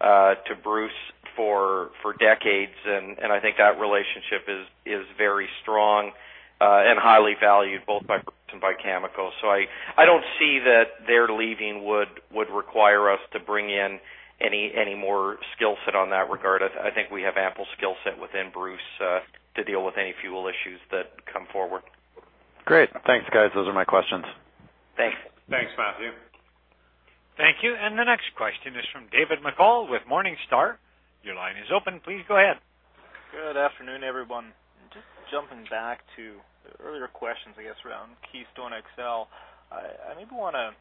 to Bruce for decades, and I think that relationship is very strong and highly valued both by Bruce and by Cameco. I don't see that their leaving would require us to bring in any more skill set on that regard. I think we have ample skill set within Bruce to deal with any fuel issues that come forward. Great. Thanks, guys. Those are my questions. Thanks. Thanks, Matthew Akman. Thank you. The next question is from David McColl with Morningstar. Your line is open. Please go ahead. Good afternoon, everyone. Just jumping back to earlier questions, I guess, around Keystone XL. I maybe want to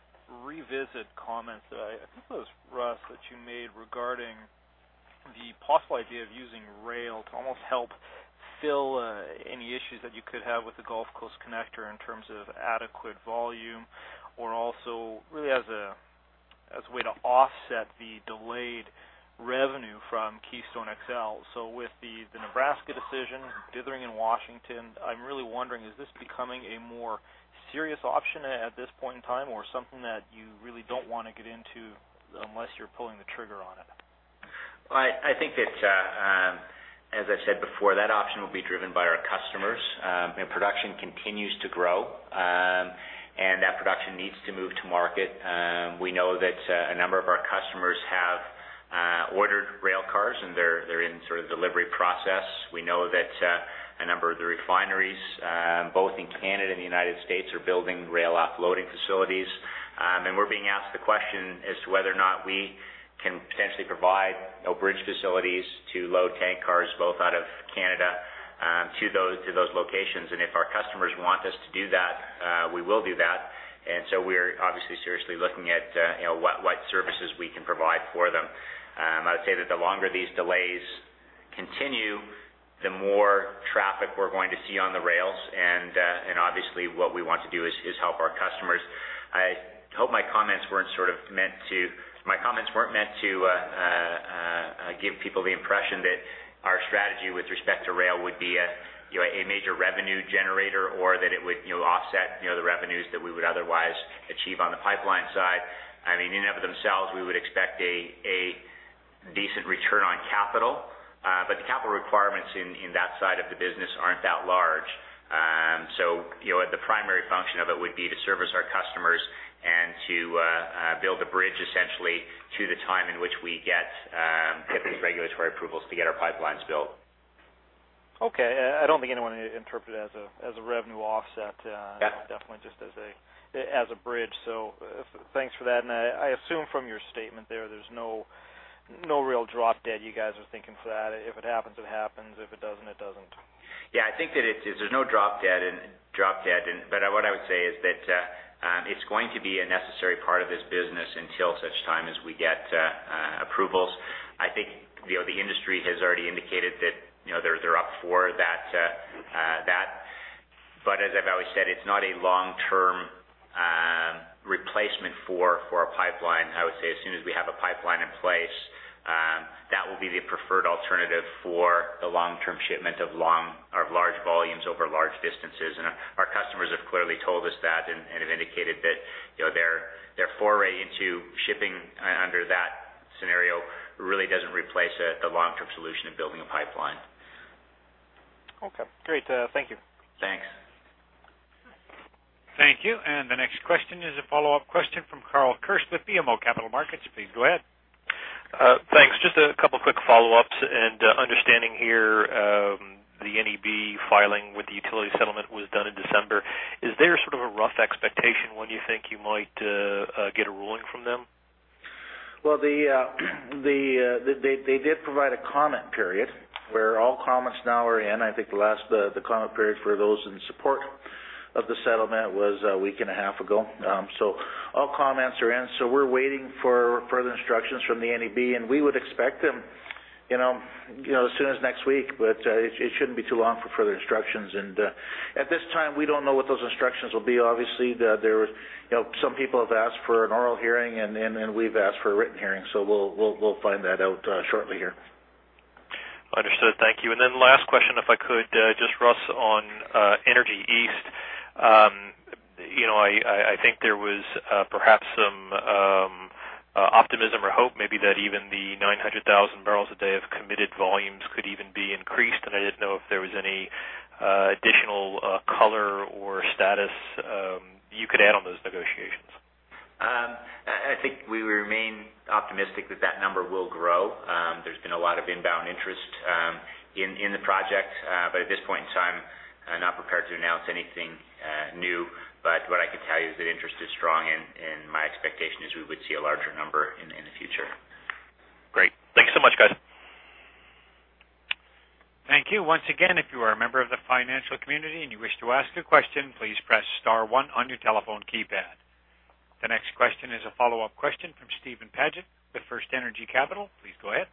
revisit comments that I think it was Russ, that you made regarding the possible idea of using rail to almost help fill any issues that you could have with the Gulf Coast Project in terms of adequate volume, or also really as a way to offset the delayed revenue from Keystone XL. With the Nebraska decision dithering in Washington, I'm really wondering, is this becoming a more serious option at this point in time or something that you really don't want to get into unless you're pulling the trigger on it? I think that, as I said before, that option will be driven by our customers. Production continues to grow, and that production needs to move to market. We know that a number of our customers have ordered rail cars, and they're in sort of the delivery process. We know that a number of the refineries, both in Canada and the United States, are building rail offloading facilities. We're being asked the question as to whether or not we can potentially provide bridge facilities to load tank cars both out of Canada to those locations. If our customers want us to do that, we will do that. We're obviously seriously looking at what services we can provide for them. I would say that the longer these delays continue, the more traffic we're going to see on the rails. Obviously what we want to do is help our customers. I hope my comments weren't meant to give people the impression that our strategy with respect to rail would be a major revenue generator or that it would offset the revenues that we would otherwise achieve on the pipeline side. I mean, in and of themselves, we would expect a decent return on capital. The capital requirements in that side of the business aren't that large. The primary function of it would be to service our customers and to build a bridge essentially to the time in which we get the necessary regulatory approvals to get our pipelines built. Okay. I don't think anyone interpreted it as a revenue offset. Yeah Definitely just as a bridge. Thanks for that. I assume from your statement there's no real drop-dead you guys are thinking for that. If it happens, it happens. If it doesn't, it doesn't. Yeah, I think that there's no drop-dead. What I would say is that it's going to be a necessary part of this business until such time as we get approvals. I think the industry has already indicated that they're up for that. As I've always said, it's not a long-term replacement for a pipeline. I would say as soon as we have a pipeline in place, that will be the preferred alternative for the long-term shipment of large volumes over large distances. Our customers have clearly told us that and have indicated that their foray into shipping under that scenario really doesn't replace the long-term solution of building a pipeline. Okay, great. Thank you. Thanks. Thank you. The next question is a follow-up question from Carl Kirst with BMO Capital Markets. Please go ahead. Thanks. Just a couple quick follow-ups and understanding here, the NEB filing with the utility settlement was done in December. Is there sort of a rough expectation when you think you might get a ruling from them? Well, they did provide a comment period where all comments now are in. I think the comment period for those in support of the settlement was a week and a half ago. All comments are in. We're waiting for further instructions from the NEB, and we would expect them as soon as next week, but it shouldn't be too long for further instructions. At this time, we don't know what those instructions will be. Obviously, some people have asked for an oral hearing, and we've asked for a written hearing. We'll find that out shortly here. Understood. Thank you. Last question, if I could, just Russ, on Energy East. I think there was perhaps some optimism or hope maybe that even the 900,000 bpd of committed volumes could even be increased. I didn't know if there was any additional color or status you could add on those negotiations. I think we remain optimistic that that number will grow. There's been a lot of inbound interest in the project. At this point in time, I'm not prepared to announce anything new. What I can tell you is that interest is strong, and my expectation is we would see a larger number in the future. Great. Thank you so much, guys. Thank you. Once again, if you are a member of the financial community and you wish to ask a question, please press star one on your telephone keypad. The next question is a follow-up question from Steven Paget with FirstEnergy Capital. Please go ahead.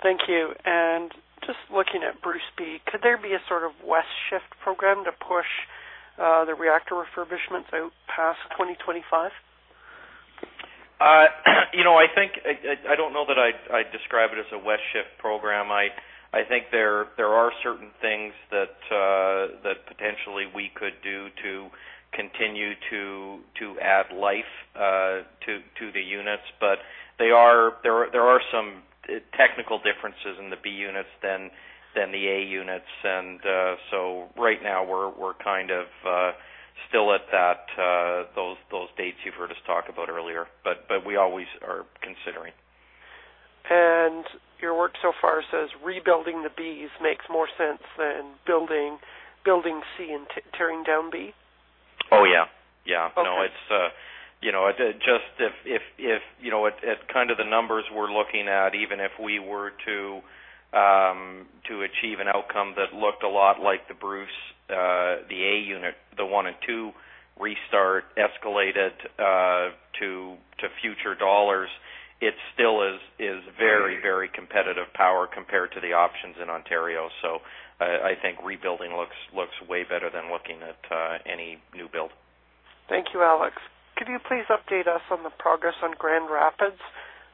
Thank you. Just looking at Bruce B, could there be a sort of West Shift program to push the reactor refurbishments out past 2025? I don't know that I'd describe it as a West Shift program. I think there are certain things that potentially we could do to continue to add life to the units. There are some technical differences in the B units than the A units. Right now we're kind of still at those dates you've heard us talk about earlier. We always are considering. Your work so far says rebuilding the Bs makes more sense than building C and tearing down B? Oh, yeah. Okay. If, kind of, the numbers we're looking at, even if we were to achieve an outcome that looked a lot like the Bruce A unit, the one and two restart escalated to future dollars, it still is very competitive power compared to the options in Ontario. I think rebuilding looks way better than looking at any new build. Thank you, Alex. Could you please update us on the progress on Grand Rapids?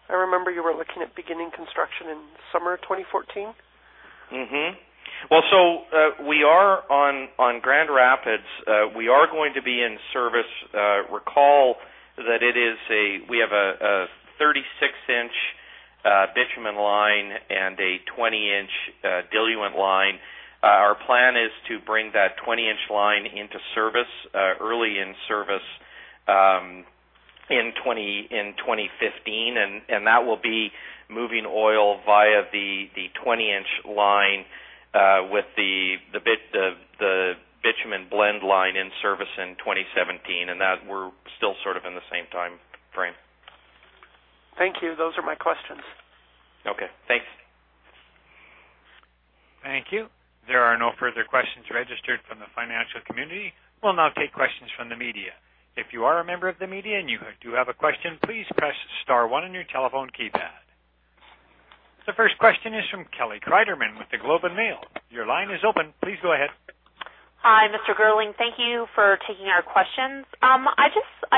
I remember you were looking at beginning construction in summer 2014. Well, on Grand Rapids, we are going to be in service. Recall that we have a 36-inch bitumen line and a 20-inch diluent line. Our plan is to bring that 20-inch line early in service in 2015. That will be moving oil via the 20-inch line with the bitumen blend line in service in 2017. That we're still sort of in the same time frame. Thank you. Those are my questions. Okay, thanks. Thank you. There are no further questions registered from the financial community. We'll now take questions from the media. If you are a member of the media and you do have a question, please press star one on your telephone keypad. The first question is from Kelly Cryderman with The Globe and Mail. Your line is open. Please go ahead. Hi, Mr. Girling. Thank you for taking our questions. I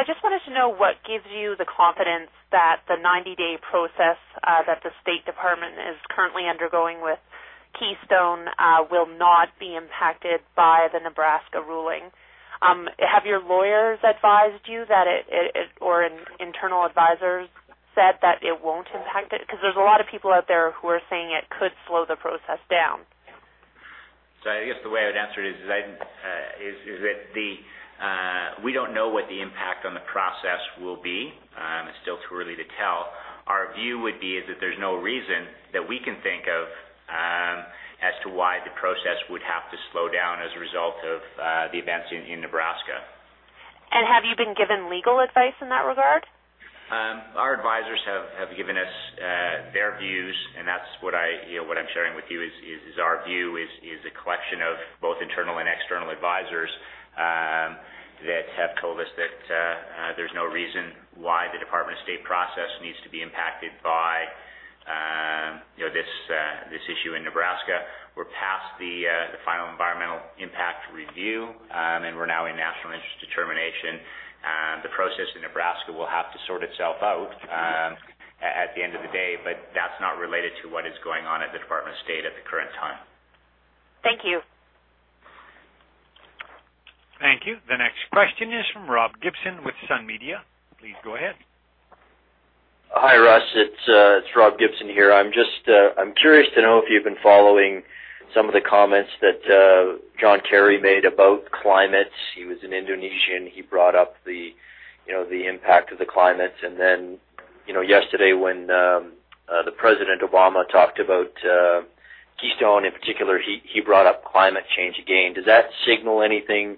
just wanted to know what gives you the confidence that the 90-day process that the State Department is currently undergoing with Keystone will not be impacted by the Nebraska ruling. Have your lawyers advised you or internal advisors said that it won't impact it? Because there's a lot of people out there who are saying it could slow the process down. I guess the way I'd answer it is that we don't know what the impact on the process will be. It's still too early to tell. Our view would be is that there's no reason that we can think of as to why the process would have to slow down as a result of the events in Nebraska. Have you been given legal advice in that regard? Our advisors have given us their views, and that's what I'm sharing with you. Our view is a collection of both internal and external advisors that have told us that there's no reason why the Department of State process needs to be impacted by this issue in Nebraska. We're past the final environmental impact review. We're now in National Interest Determination. The process in Nebraska will have to sort itself out at the end of the day. That's not related to what is going on at the Department of State at the current time. Thank you. Thank you. The next question is from Rob Gibson with Sun Media. Please go ahead. Hi, Russ. It's Rob Gibson here. I'm curious to know if you've been following some of the comments that John Kerry made about climate. He was in Indonesia, and he brought up the impact of the climate. Yesterday, when President Obama talked about Keystone in particular, he brought up climate change again. Does that signal anything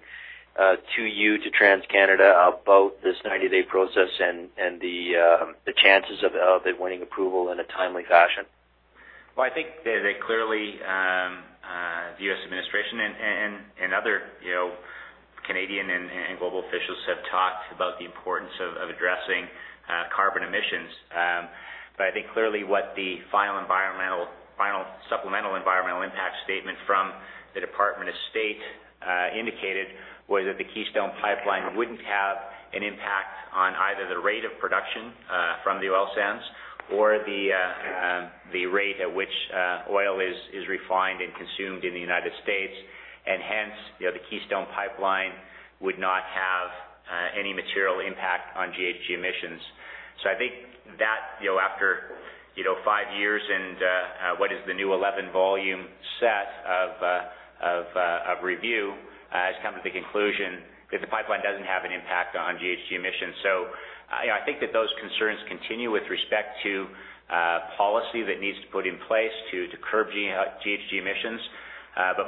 to you, to TransCanada, about this 90-day process and the chances of it winning approval in a timely fashion? Well, I think that clearly, the U.S. administration and other Canadian and global officials have talked about the importance of addressing carbon emissions. I think clearly what the final supplemental environmental impact statement from the Department of State indicated was that the Keystone Pipeline wouldn't have an impact on either the rate of production from the oil sands or the rate at which oil is refined and consumed in the United States. Hence, the Keystone Pipeline would not have any material impact on GHG emissions. I think that after five years and what is the new 11-volume set of review, has come to the conclusion that the pipeline doesn't have an impact on GHG emissions. I think that those concerns continue with respect to policy that needs to put in place to curb GHG emissions.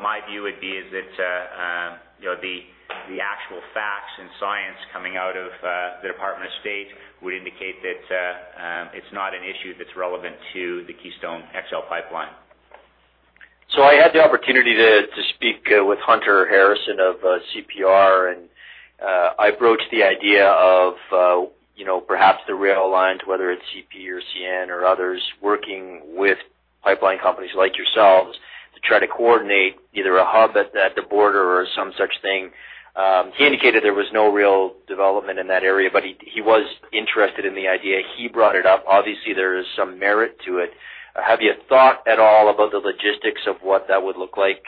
My view would be is that the actual facts and science coming out of the Department of State would indicate that it's not an issue that's relevant to the Keystone XL Pipeline. I had the opportunity to speak with Hunter Harrison of CPR, and I broached the idea of perhaps the rail lines, whether it's CP or CN or others, working with pipeline companies like yourselves to try to coordinate either a hub at the border or some such thing. He indicated there was no real development in that area, but he was interested in the idea. He brought it up. Obviously, there is some merit to it. Have you thought at all about the logistics of what that would look like?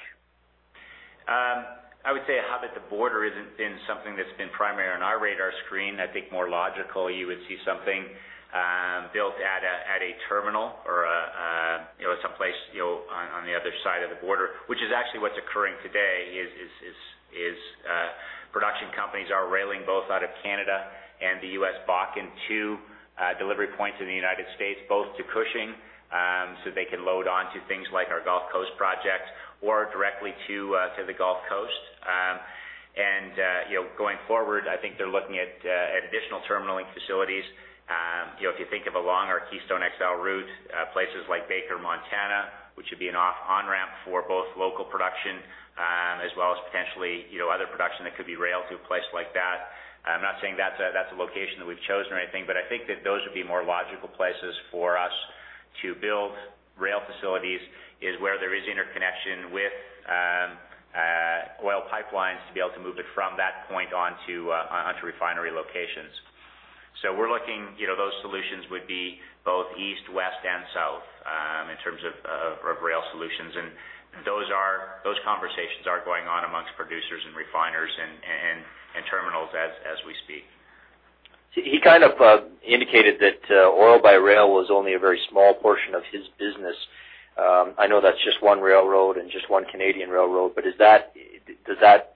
I would say a hub at the border hasn't been something that's been primary on our radar screen. I think it's more logical, you would see something built at a terminal or someplace on the other side of the border, which is actually what's occurring today. Production companies are railing both out of Canada and the U.S. Bakken to delivery points in the United States, both to Cushing, so they can load onto things like our Gulf Coast projects or directly to the Gulf Coast. Going forward, I think they're looking at additional terminaling facilities. If you think of along our Keystone XL route, places like Baker, Montana, which would be an on-ramp for both local production as well as potentially other production that could be railed to a place like that. I'm not saying that's a location that we've chosen or anything, but I think that those would be more logical places for us to build rail facilities is where there is interconnection with oil pipelines to be able to move it from that point on to refinery locations. We're looking, those solutions would be both East, West, and South, in terms of rail solutions. Those conversations are going on amongst producers and refiners and terminals as we speak. He kind of indicated that oil by rail was only a very small portion of his business. I know that's just one railroad and just one Canadian railroad, but does that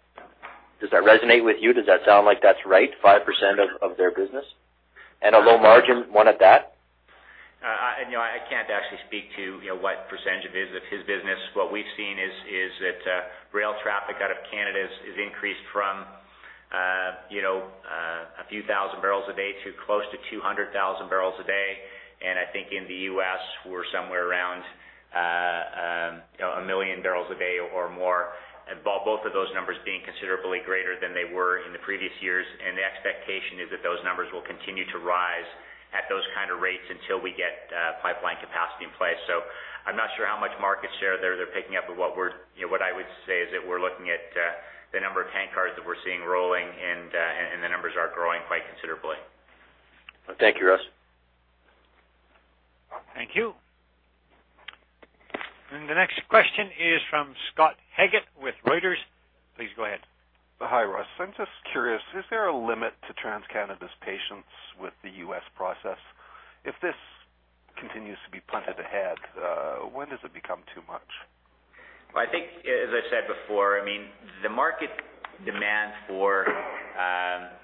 resonate with you? Does that sound like that's right, 5% of their business? A low margin one at that? I can't actually speak to what percentage of his business. What we've seen is that rail traffic out of Canada has increased from a few thousand barrels a day to close to 200,000 bpd. I think in the U.S., we're somewhere around 1 MMbpd or more, both of those numbers being considerably greater than they were in the previous years. The expectation is that those numbers will continue to rise at those kind of rates until we get pipeline capacity in place. I'm not sure how much market share they're picking up. What I would say is that we're looking at the number of tank cars that we're seeing rolling, and the numbers are growing quite considerably. Thank you, Russ. Thank you. The next question is from Scott Haggett with Reuters. Please go ahead. Hi, Russ. I'm just curious, is there a limit to TransCanada's patience with the U.S. process? If this continues to be punted ahead, when does it become too much? Well, I think, as I said before, the market demand for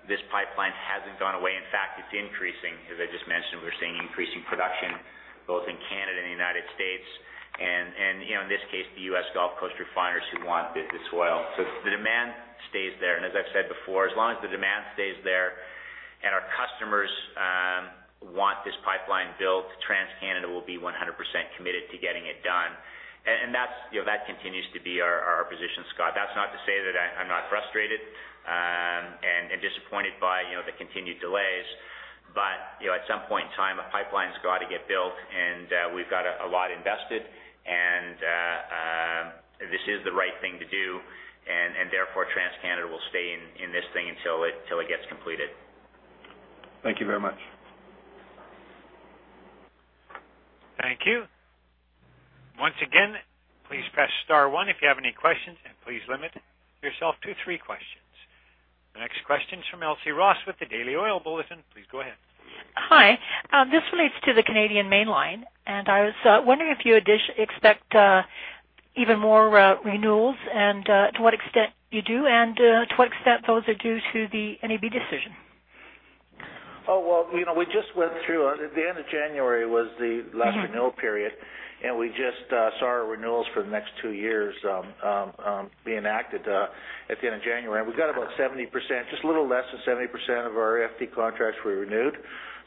this pipeline hasn't gone away, in fact, it's increasing. As I just mentioned, we're seeing increasing production both in Canada and the United States, and in this case, the U.S. Gulf Coast refiners who want this oil. The demand stays there. As I've said before, as long as the demand stays there and our customers want this pipeline built, TransCanada will be 100% committed to getting it done. That continues to be our position, Scott. That's not to say that I'm not frustrated and disappointed by the continued delays. At some point in time, a pipeline's got to get built, and we've got a lot invested, and this is the right thing to do, and therefore TransCanada will stay in this thing until it gets completed. Thank you very much. Thank you. Once again, please press star one if you have any questions, and please limit yourself to three questions. The next question's from Elsie Ross with the Daily Oil Bulletin. Please go ahead. Hi. This relates to the Canadian Mainline, and I was wondering if you expect even more renewals, and to what extent you do, and to what extent those are due to the NEB decision? Well, we just went through. At the end of January was the last Mm-hmm Renewal period, and we just saw our renewals for the next two years being acted at the end of January. We got about 70%, just a little less than 70% of our FT contracts were renewed. It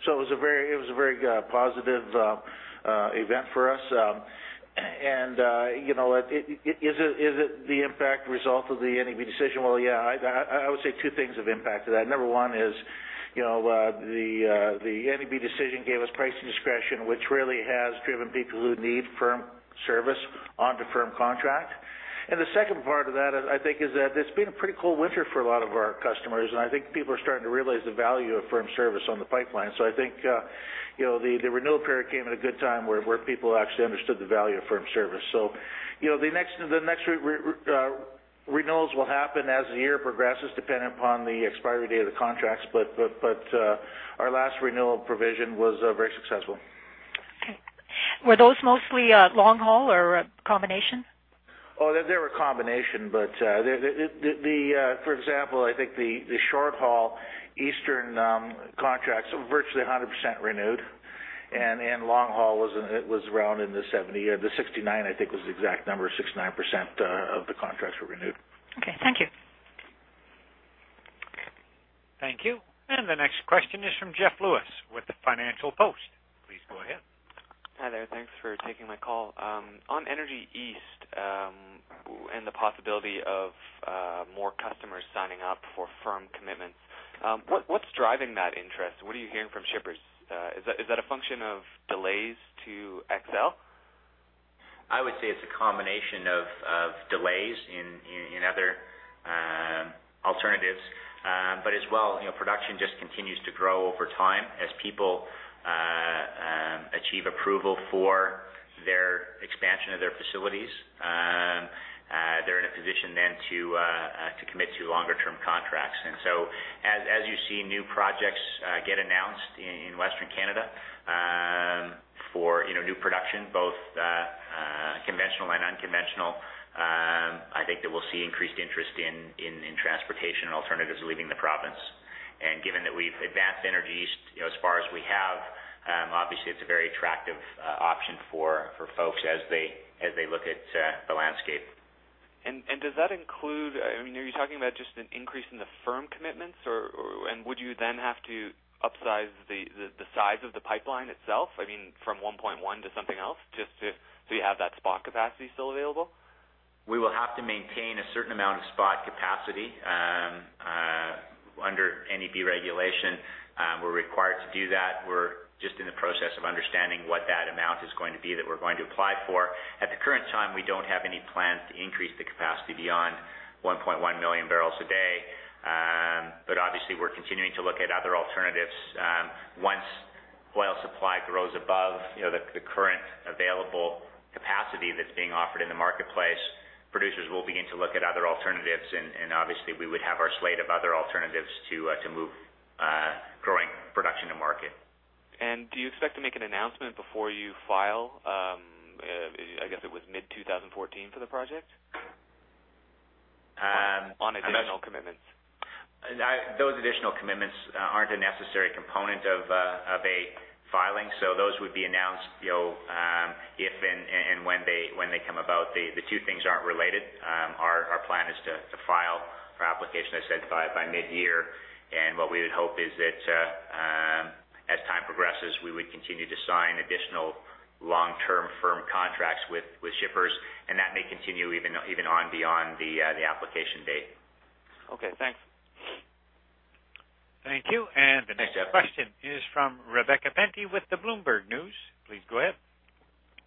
was a very positive event for us. Is it the impact result of the NEB decision? Well, yeah. I would say two things have impacted that. Number one is, the NEB decision gave us pricing discretion, which really has driven people who need firm service onto firm contract. The second part of that, I think, is that it's been a pretty cold winter for a lot of our customers, and I think people are starting to realize the value of firm service on the pipeline. I think, the renewal period came at a good time, where people actually understood the value of firm service. The next renewals will happen as the year progresses, dependent upon the expiry date of the contracts. Our last renewal provision was very successful. Okay. Were those mostly long haul or a combination? Oh, they were a combination. For example, I think the short-haul Eastern contracts were virtually 100% renewed. Long-haul was around 70%, the 69%, I think was the exact number, 69% of the contracts were renewed. Okay. Thank you. Thank you. The next question is from Jeff Lewis with the Financial Post. Please go ahead. Hi there. Thanks for taking my call. On Energy East, and the possibility of more customers signing up for firm commitments. What's driving that interest? What are you hearing from shippers? Is that a function of delays to Keystone XL? I would say it's a combination of delays in other alternatives. As well, production just continues to grow over time as people achieve approval for their expansion of their facilities. They're in a position then to commit to longer-term contracts. As you see new projects get announced in Western Canada, for new production, both conventional and unconventional, I think that we'll see increased interest in transportation alternatives leaving the province. Given that we've advanced Energy East as far as we have, obviously it's a very attractive option for folks as they look at the landscape. Does that include, are you talking about just an increase in the firm commitments, and would you then have to upsize the size of the pipeline itself? From 1.1 to something else, just so you have that spot capacity still available? We will have to maintain a certain amount of spot capacity. NEB regulation. We're required to do that. We're just in the process of understanding what that amount is going to be that we're going to apply for. At the current time, we don't have any plans to increase the capacity beyond 1.1 million barrels a day. Obviously, we're continuing to look at other alternatives. Once oil supply grows above the current available capacity that's being offered in the marketplace, producers will begin to look at other alternatives, and obviously, we would have our slate of other alternatives to move growing production to market. Do you expect to make an announcement before you file, I guess it was mid-2014 for the project? Um- On additional commitments. Those additional commitments aren't a necessary component of a filing. Those would be announced, if and when they come about. The two things aren't related. Our plan is to file for application, as I said, by mid-year. What we would hope is that, as time progresses, we would continue to sign additional long-term firm contracts with shippers, and that may continue even on beyond the application date. Okay, thanks. Thank you. Thanks, David Moneta. The next question is from Rebecca Penty with the Bloomberg News. Please go ahead.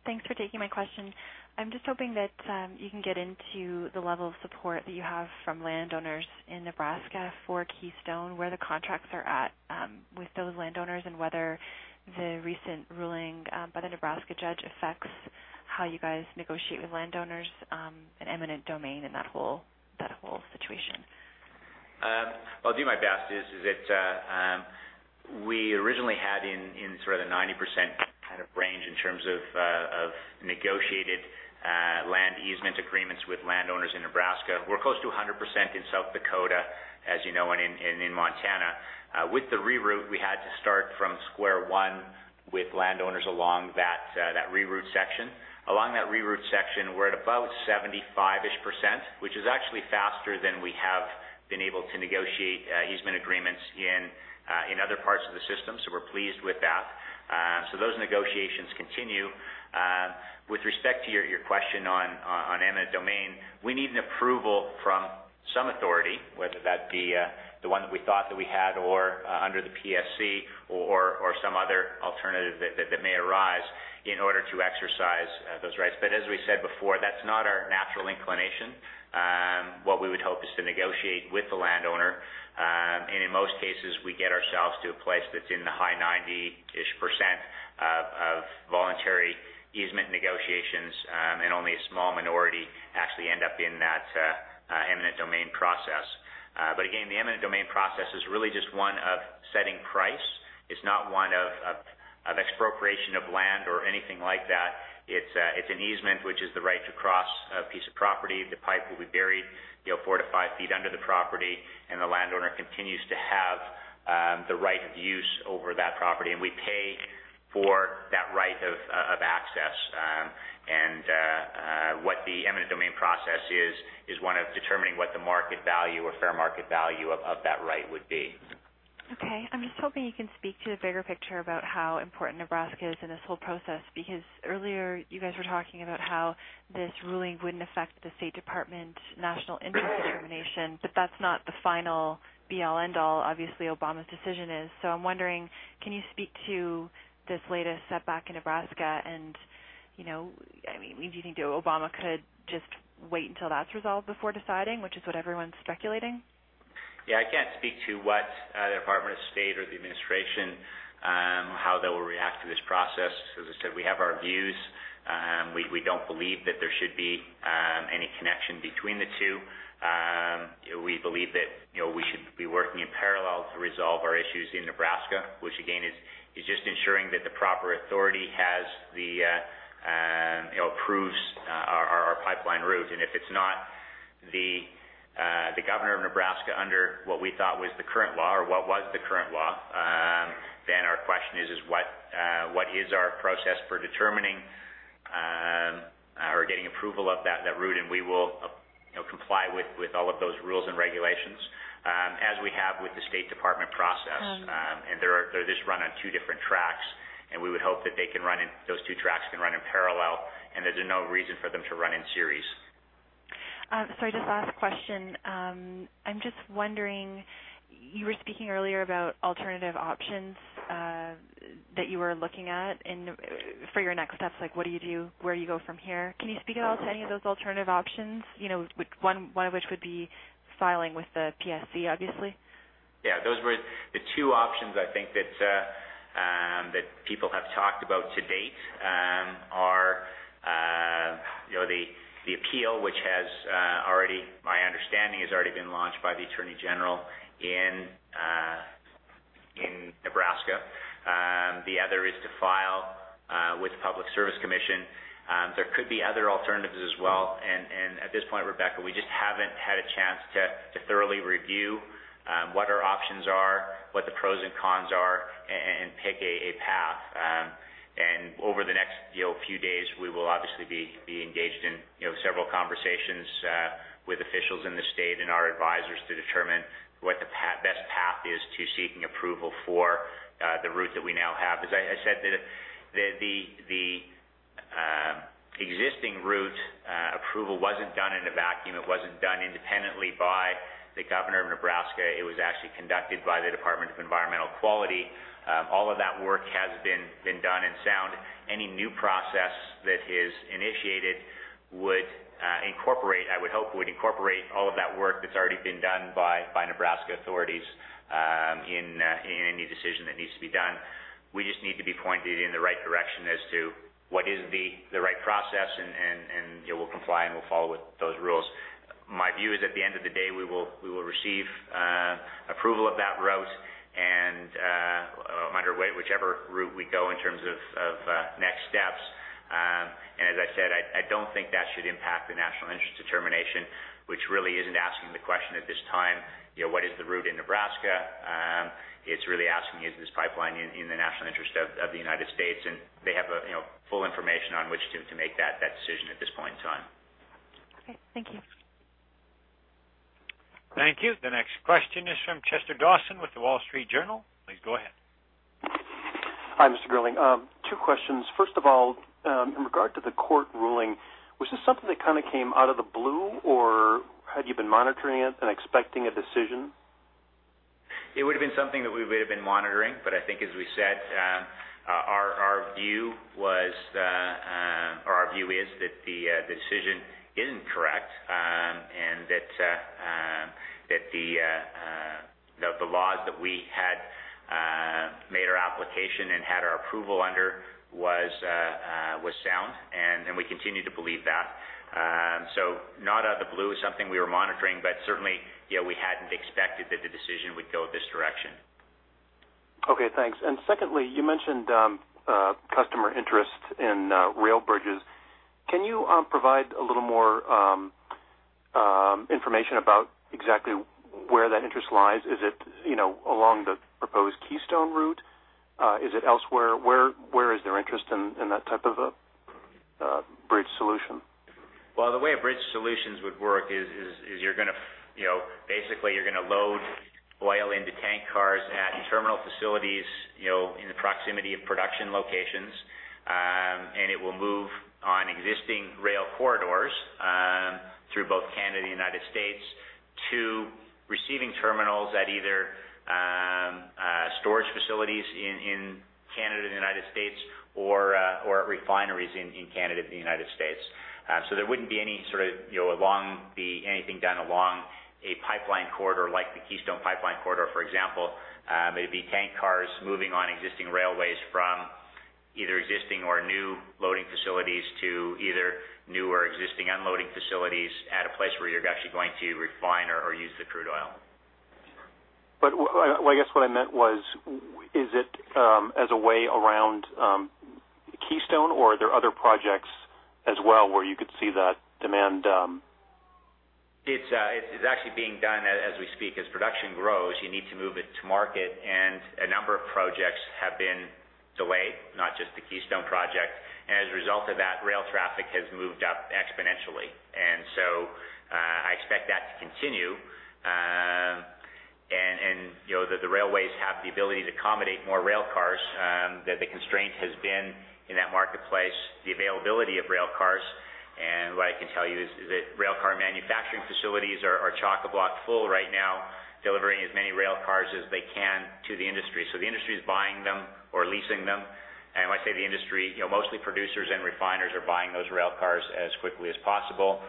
Thanks for taking my question. I'm just hoping that you can get into the level of support that you have from landowners in Nebraska for Keystone, where the contracts are at with those landowners, and whether the recent ruling by the Nebraska judge affects how you guys negotiate with landowners, and eminent domain and that whole situation? I'll do my best. We originally had in sort of the 90% kind of range in terms of negotiated land easement agreements with landowners in Nebraska. We're close to 100% in South Dakota, as you know, and in Montana. With the reroute, we had to start from square one with landowners along that reroute section. Along that reroute section, we're at about 75%-ish, which is actually faster than we have been able to negotiate easement agreements in other parts of the system. We're pleased with that. Those negotiations continue. With respect to your question on eminent domain, we need an approval from some authority, whether that be the one that we thought that we had or under the PSC or some other alternative that may arise in order to exercise those rights. As we said before, that's not our natural inclination. What we would hope is to negotiate with the landowner. In most cases, we get ourselves to a place that's in the high 90%-ish of voluntary easement negotiations, and only a small minority actually end up in that eminent domain process. Again, the eminent domain process is really just one of setting price. It's not one of expropriation of land or anything like that. It's an easement, which is the right to cross a piece of property. The pipe will be buried 4-5 ft under the property, and the landowner continues to have the right of use over that property. We pay for that right of access. What the eminent domain process is one of determining what the market value or fair market value of that right would be. Okay. I'm just hoping you can speak to the bigger picture about how important Nebraska is in this whole process. Because earlier you guys were talking about how this ruling wouldn't affect the State Department National Interest Determination, but that's not the final be-all, end-all. Obviously, Obama's decision is. I'm wondering, can you speak to this latest setback in Nebraska and, do you think Obama could just wait until that's resolved before deciding, which is what everyone's speculating? Yeah, I can't speak to what the Department of State or the administration, how they will react to this process. As I said, we have our views. We don't believe that there should be any connection between the two. We believe that we should be working in parallel to resolve our issues in Nebraska, which again is just ensuring that the proper authority approves our pipeline route. If it's not the Governor of Nebraska under what we thought was the current law or what was the current law, then our question is what is our process for determining or getting approval of that route? We will comply with all of those rules and regulations, as we have with the State Department process. Mm. They just run on two different tracks, and we would hope that those two tracks can run in parallel and that there's no reason for them to run in series. Sorry, just last question. I'm just wondering, you were speaking earlier about alternative options that you were looking at for your next steps, like what do you do, where you go from here. Can you speak at all to any of those alternative options? One of which would be filing with the PSC, obviously. Yeah. The two options I think that people have talked about to date are, the appeal, which my understanding has already been launched by the Nebraska Attorney General. The other is to file with the Nebraska Public Service Commission. There could be other alternatives as well, and at this point, Rebecca, we just haven't had a chance to thoroughly review what our options are, what the pros and cons are, and pick a path. Over the next few days, we will obviously be engaged in several conversations with officials in the state and our advisors to determine what the best path is to seeking approval for the route that we now have. As I said, the existing route approval wasn't done in a vacuum. It wasn't done independently by the governor of Nebraska. It was actually conducted by the Nebraska Department of Environmental Quality. All of that work has been done and sound. Any new process that is initiated would incorporate, I would hope, all of that work that's already been done by Nebraska authorities in any decision that needs to be done. We just need to be pointed in the right direction as to what is the right process, and we'll comply and we'll follow with those rules. My view is, at the end of the day, we will receive approval of that route and whichever route we go in terms of next steps. As I said, I don't think that should impact the National Interest Determination, which really isn't asking the question at this time, what is the route in Nebraska? It's really asking, is this pipeline in the national interest of the United States? They have full information on which to make that decision at this point in time. Okay. Thank you. Thank you. The next question is from Chester Dawson with The Wall Street Journal. Please go ahead. Hi, Mr. Girling. Two questions. First of all, in regard to the court ruling, was this something that came out of the blue, or had you been monitoring it and expecting a decision? It would've been something that we would've been monitoring, but I think as we said, our view is that the decision is incorrect, and that the laws that we had made our application and had our approval under was sound, and we continue to believe that. Not out of the blue. Something we were monitoring, but certainly, we hadn't expected that the decision would go this direction. Okay, thanks. Secondly, you mentioned customer interest in rail bridges. Can you provide a little more information about exactly where that interest lies? Is it along the proposed Keystone route? Is it elsewhere? Where is their interest in that type of a bridge solution? Well, the way a bridge solutions would work is you're gonna basically load oil into tank cars at terminal facilities in the proximity of production locations. It will move on existing rail corridors through both Canada and the United States to receiving terminals at either storage facilities in Canada and the United States or refineries in Canada and the United States. There wouldn't be anything done along a pipeline corridor like the Keystone Pipeline corridor, for example. It'd be tank cars moving on existing railways from either existing or new loading facilities to either new or existing unloading facilities at a place where you're actually going to refine or use the crude oil. I guess what I meant was, is it as a way around Keystone, or are there other projects as well where you could see that demand? It's actually being done as we speak. As production grows, you need to move it to market, and a number of projects have been delayed, not just the Keystone project. As a result of that, rail traffic has moved up exponentially. I expect that to continue. The railways have the ability to accommodate more rail cars. The constraint has been in that marketplace, the availability of rail cars. What I can tell you is that rail car manufacturing facilities are chock-a-block full right now, delivering as many rail cars as they can to the industry. The industry's buying them or leasing them. When I say the industry, mostly producers and refiners are buying those rail cars as quickly as possible,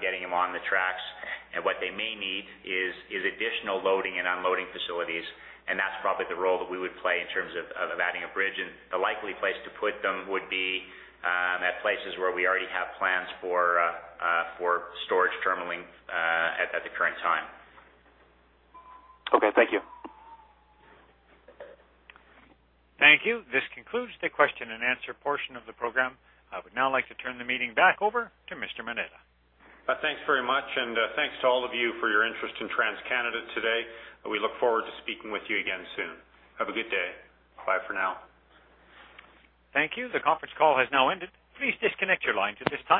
getting them on the tracks. What they may need is additional loading and unloading facilities. That's probably the role that we would play in terms of adding a bridge. The likely place to put them would be at places where we already have plans for storage terminalling at the current time. Okay, thank you. Thank you. This concludes the question and answer portion of the program. I would now like to turn the meeting back over to Mr. Moneta. Thanks very much, and thanks to all of you for your interest in TransCanada today. We look forward to speaking with you again soon. Have a good day. Bye for now. Thank you. The conference call has now ended. Please disconnect your lines at this time.